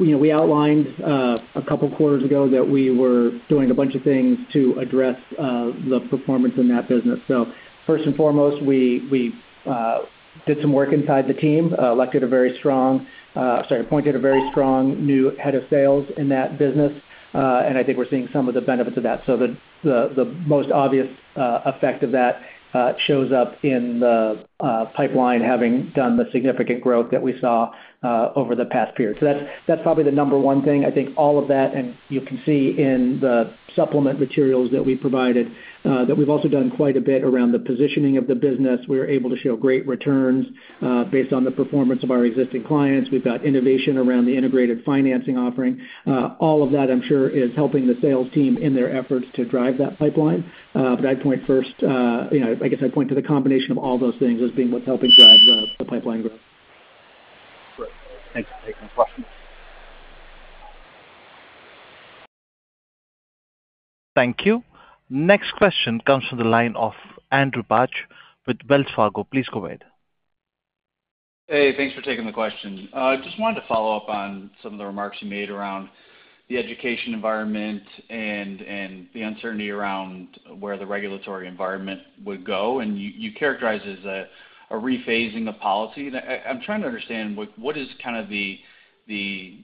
we outlined a couple of quarters ago that we were doing a bunch of things to address the performance in that business. So first and foremost, we did some work inside the team, appointed a very strong new head of sales in that business. And I think we're seeing some of the benefits of that. So the most obvious effect of that shows up in the pipeline having done the significant growth that we saw over the past period. So that's probably the number one thing. I think all of that, and you can see in the supplement materials that we provided, that we've also done quite a bit around the positioning of the business. We were able to show great returns based on the performance of our existing clients. We've got innovation around the integrated financing offering. All of that, I'm sure, is helping the sales team in their efforts to drive that pipeline. But I'd point first, I guess, to the combination of all those things as being what's helping drive the pipeline growth. Great. Thanks for taking the question. Thank you. Next question comes from the line of Andrew Bauch with Wells Fargo. Please go ahead. Hey, thanks for taking the question. I just wanted to follow up on some of the remarks you made around the education environment and the uncertainty around where the regulatory environment would go. You characterize it as a rephasing of policy. I'm trying to understand what is kind of the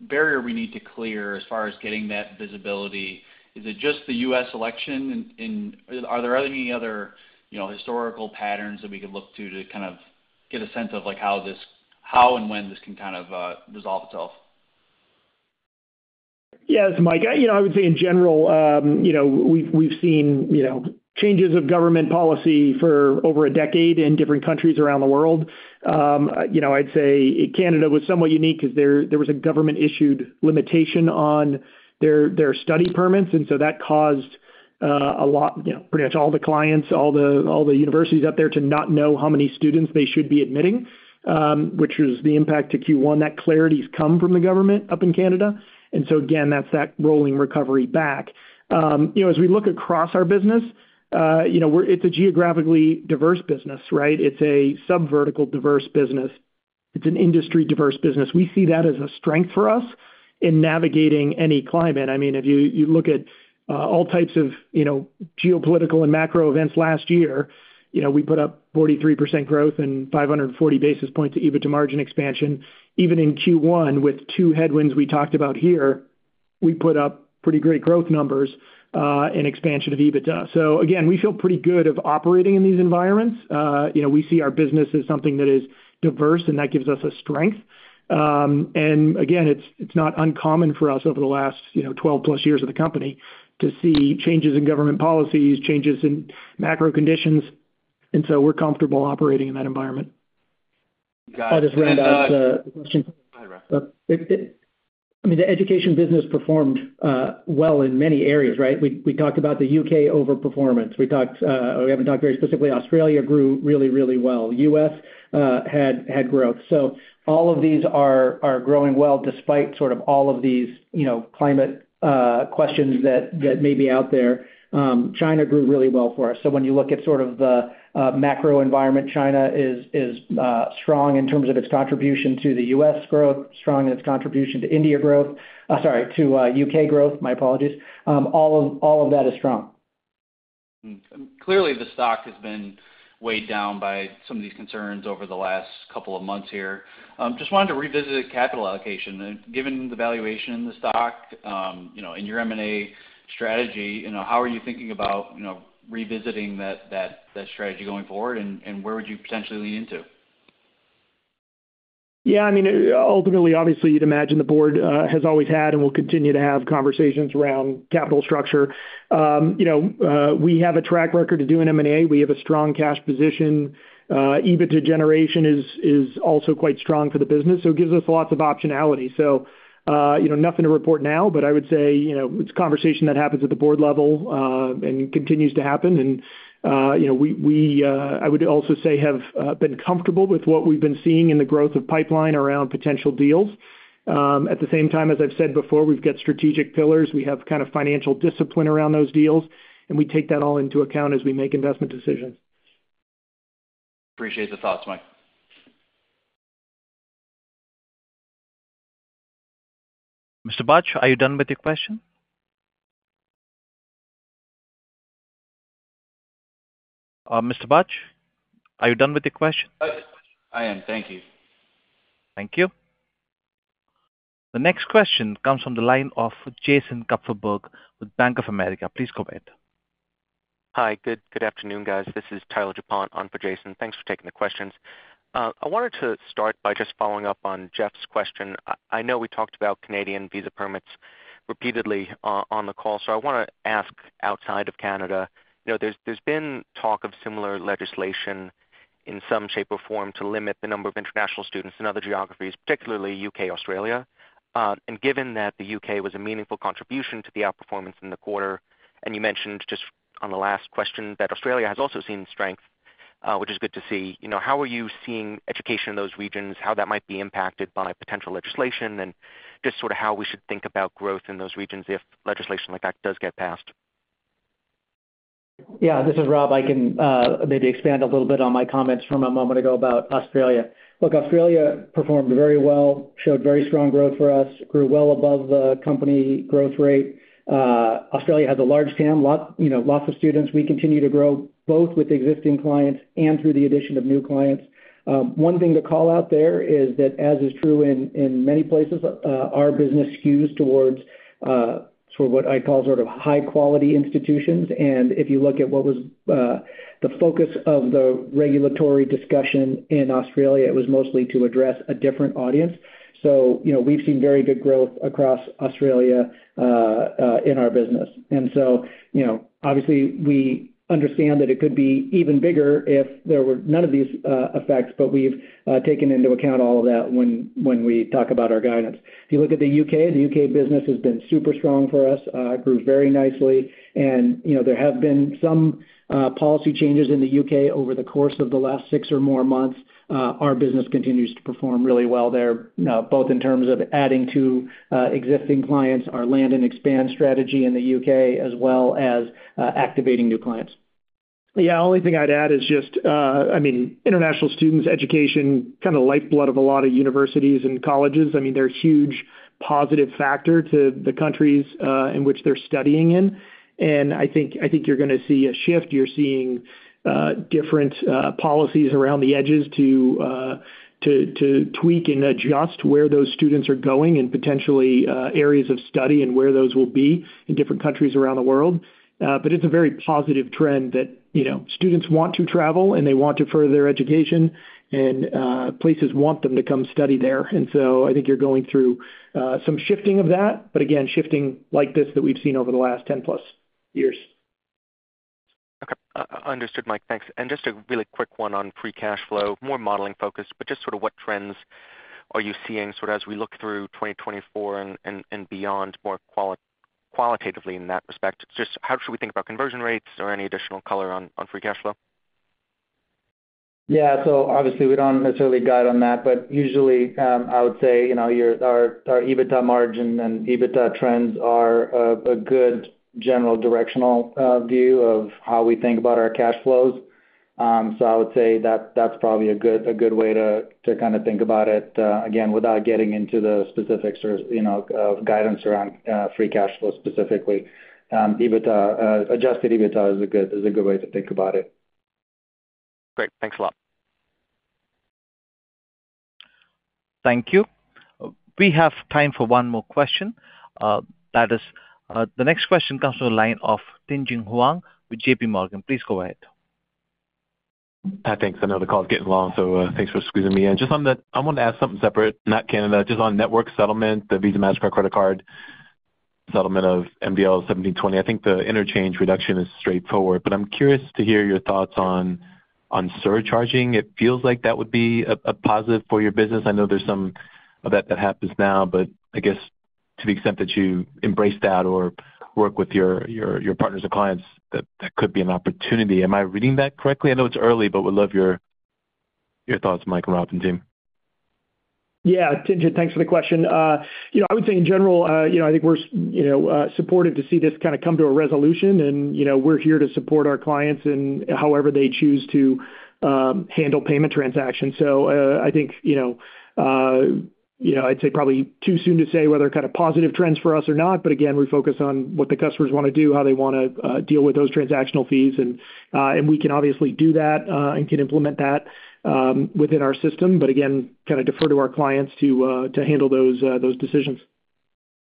barrier we need to clear as far as getting that visibility. Is it just the U.S. election? And are there any other historical patterns that we could look to to kind of get a sense of how and when this can kind of resolve itself? Yeah, it's Mike. I would say in general, we've seen changes of government policy for over a decade in different countries around the world. I'd say Canada was somewhat unique because there was a government-issued limitation on their study permits. And so that caused a lot pretty much all the clients, all the universities up there to not know how many students they should be admitting, which was the impact to Q1. That clarity's come from the government up in Canada. And so again, that's that rolling recovery back. As we look across our business, it's a geographically diverse business, right? It's a subvertical diverse business. It's an industry-diverse business. We see that as a strength for us in navigating any climate. I mean, if you look at all types of geopolitical and macro events last year, we put up 43% growth and 540 basis points of EBITDA margin expansion. Even in Q1, with two headwinds we talked about here, we put up pretty great growth numbers in expansion of EBITDA. So again, we feel pretty good of operating in these environments. We see our business as something that is diverse, and that gives us a strength. And again, it's not uncommon for us over the last 12+ years of the company to see changes in government policies, changes in macro conditions. And so we're comfortable operating in that environment. Got it. I'll just round out the question. I mean, the education business performed well in many areas, right? We talked about the U.K. overperformance. We haven't talked very specifically. Australia grew really, really well. U.S. had growth. So all of these are growing well despite sort of all of these climate questions that may be out there. China grew really well for us. So when you look at sort of the macro environment, China is strong in terms of its contribution to the U.S. growth, strong in its contribution to India growth sorry, to U.K. growth. My apologies. All of that is strong. Clearly, the stock has been weighed down by some of these concerns over the last couple of months here. Just wanted to revisit capital allocation. Given the valuation in the stock, in your M&A strategy, how are you thinking about revisiting that strategy going forward, and where would you potentially lean into? Yeah. I mean, ultimately, obviously, you'd imagine the board has always had and will continue to have conversations around capital structure. We have a track record of doing M&A. We have a strong cash position. EBITDA generation is also quite strong for the business. So it gives us lots of optionality. So nothing to report now, but I would say it's a conversation that happens at the board level and continues to happen. And I would also say have been comfortable with what we've been seeing in the growth of pipeline around potential deals. At the same time, as I've said before, we've got strategic pillars. We have kind of financial discipline around those deals. And we take that all into account as we make investment decisions. Appreciate the thoughts, Mike. Mr. Bauch, are you done with your question? Mr. Bauch, are you done with your question? I am. Thank you. Thank you. The next question comes from the line of Jason Kupferberg with Bank of America. Please go ahead. Hi. Good afternoon, guys. This is Tyler DuPont on for Jason. Thanks for taking the questions. I wanted to start by just following up on Jeff's question. I know we talked about Canadian visa permits repeatedly on the call. So I want to ask outside of Canada, there's been talk of similar legislation in some shape or form to limit the number of international students in other geographies, particularly U.K., Australia. And given that the U.K. was a meaningful contribution to the outperformance in the quarter, and you mentioned just on the last question that Australia has also seen strength, which is good to see, how are you seeing education in those regions, how that might be impacted by potential legislation, and just sort of how we should think about growth in those regions if legislation like that does get passed? Yeah, this is Rob. I can maybe expand a little bit on my comments from a moment ago about Australia. Look, Australia performed very well, showed very strong growth for us, grew well above the company growth rate. Australia has a large TAM, lots of students. We continue to grow both with existing clients and through the addition of new clients. One thing to call out there is that, as is true in many places, our business skews towards sort of what I call sort of high-quality institutions. And if you look at what was the focus of the regulatory discussion in Australia, it was mostly to address a different audience. So we've seen very good growth across Australia in our business. Obviously, we understand that it could be even bigger if there were none of these effects, but we've taken into account all of that when we talk about our guidance. If you look at the U.K., the U.K. business has been super strong for us, grew very nicely. There have been some policy changes in the U.K. over the course of the last six or more months. Our business continues to perform really well there, both in terms of adding to existing clients, our Land and Expand strategy in the U.K., as well as activating new clients. Yeah, the only thing I'd add is just, I mean, international students, education, kind of lifeblood of a lot of universities and colleges. I mean, they're a huge positive factor to the countries in which they're studying in. And I think you're going to see a shift. You're seeing different policies around the edges to tweak and adjust where those students are going and potentially areas of study and where those will be in different countries around the world. But it's a very positive trend that students want to travel, and they want to further their education, and places want them to come study there. And so I think you're going through some shifting of that, but again, shifting like this that we've seen over the last 10+ years. Okay. Understood, Mike. Thanks. Just a really quick one on free cash flow, more modeling-focused, but just sort of what trends are you seeing sort of as we look through 2024 and beyond more qualitatively in that respect? Just how should we think about conversion rates or any additional color on free cash flow? Yeah. So obviously, we don't necessarily guide on that. But usually, I would say our EBITDA margin and EBITDA trends are a good general directional view of how we think about our cash flows. So I would say that's probably a good way to kind of think about it, again, without getting into the specifics or guidance around free cash flow specifically. Adjusted EBITDA is a good way to think about it. Great. Thanks a lot. Thank you. We have time for one more question. The next question comes from the line of Tien-tsin Huang with J.P. Morgan. Please go ahead. Hi, thanks. I know the call's getting long, so thanks for squeezing me in. I wanted to ask something separate, not Canada, just on network settlement, the Visa Mastercard credit card settlement of MDL 1720. I think the interchange reduction is straightforward. But I'm curious to hear your thoughts on surcharging. It feels like that would be a positive for your business. I know there's some of that that happens now, but I guess to the extent that you embrace that or work with your partners and clients, that could be an opportunity. Am I reading that correctly? I know it's early, but would love your thoughts, Mike and Rob and team. Yeah, Tien Huang, thanks for the question. I would say in general, I think we're supportive to see this kind of come to a resolution. We're here to support our clients in however they choose to handle payment transactions. I think I'd say probably too soon to say whether kind of positive trends for us or not. Again, we focus on what the customers want to do, how they want to deal with those transactional fees. We can obviously do that and can implement that within our system, but again, kind of defer to our clients to handle those decisions.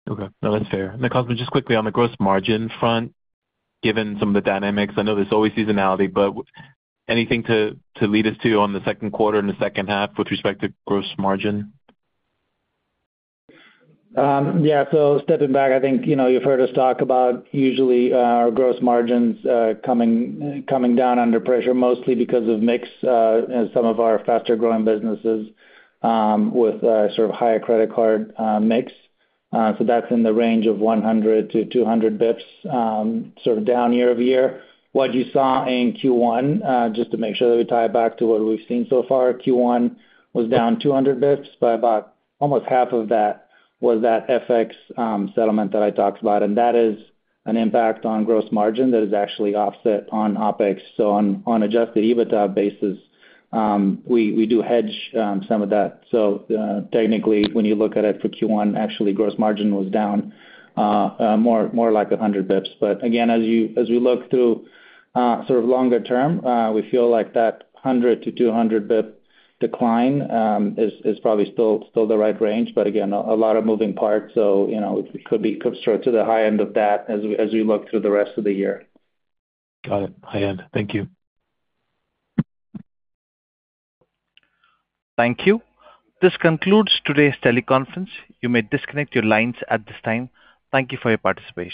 Okay. No, that's fair. And then Cosmin, just quickly on the gross margin front, given some of the dynamics, I know there's always seasonality, but anything to lead us to on the second quarter and the second half with respect to gross margin? Yeah. So stepping back, I think you've heard us talk about usually our gross margins coming down under pressure, mostly because of mix as some of our faster-growing businesses with sort of higher credit card mix. So that's in the range of 100-200 basis points sort of down year-over-year. What you saw in Q1, just to make sure that we tie it back to what we've seen so far, Q1 was down 200 basis points, but about almost half of that was that FX settlement that I talked about. And that is an impact on gross margin that is actually offset on OpEx. So on Adjusted EBITDA basis, we do hedge some of that. So technically, when you look at it for Q1, actually, gross margin was down more like 100 basis points. But again, as we look through sort of longer term, we feel like that 100-200 basis points decline is probably still the right range. But again, a lot of moving parts. So it could be straight to the high end of that as we look through the rest of the year. Got it. High end. Thank you. Thank you. This concludes today's teleconference. You may disconnect your lines at this time. Thank you for your participation.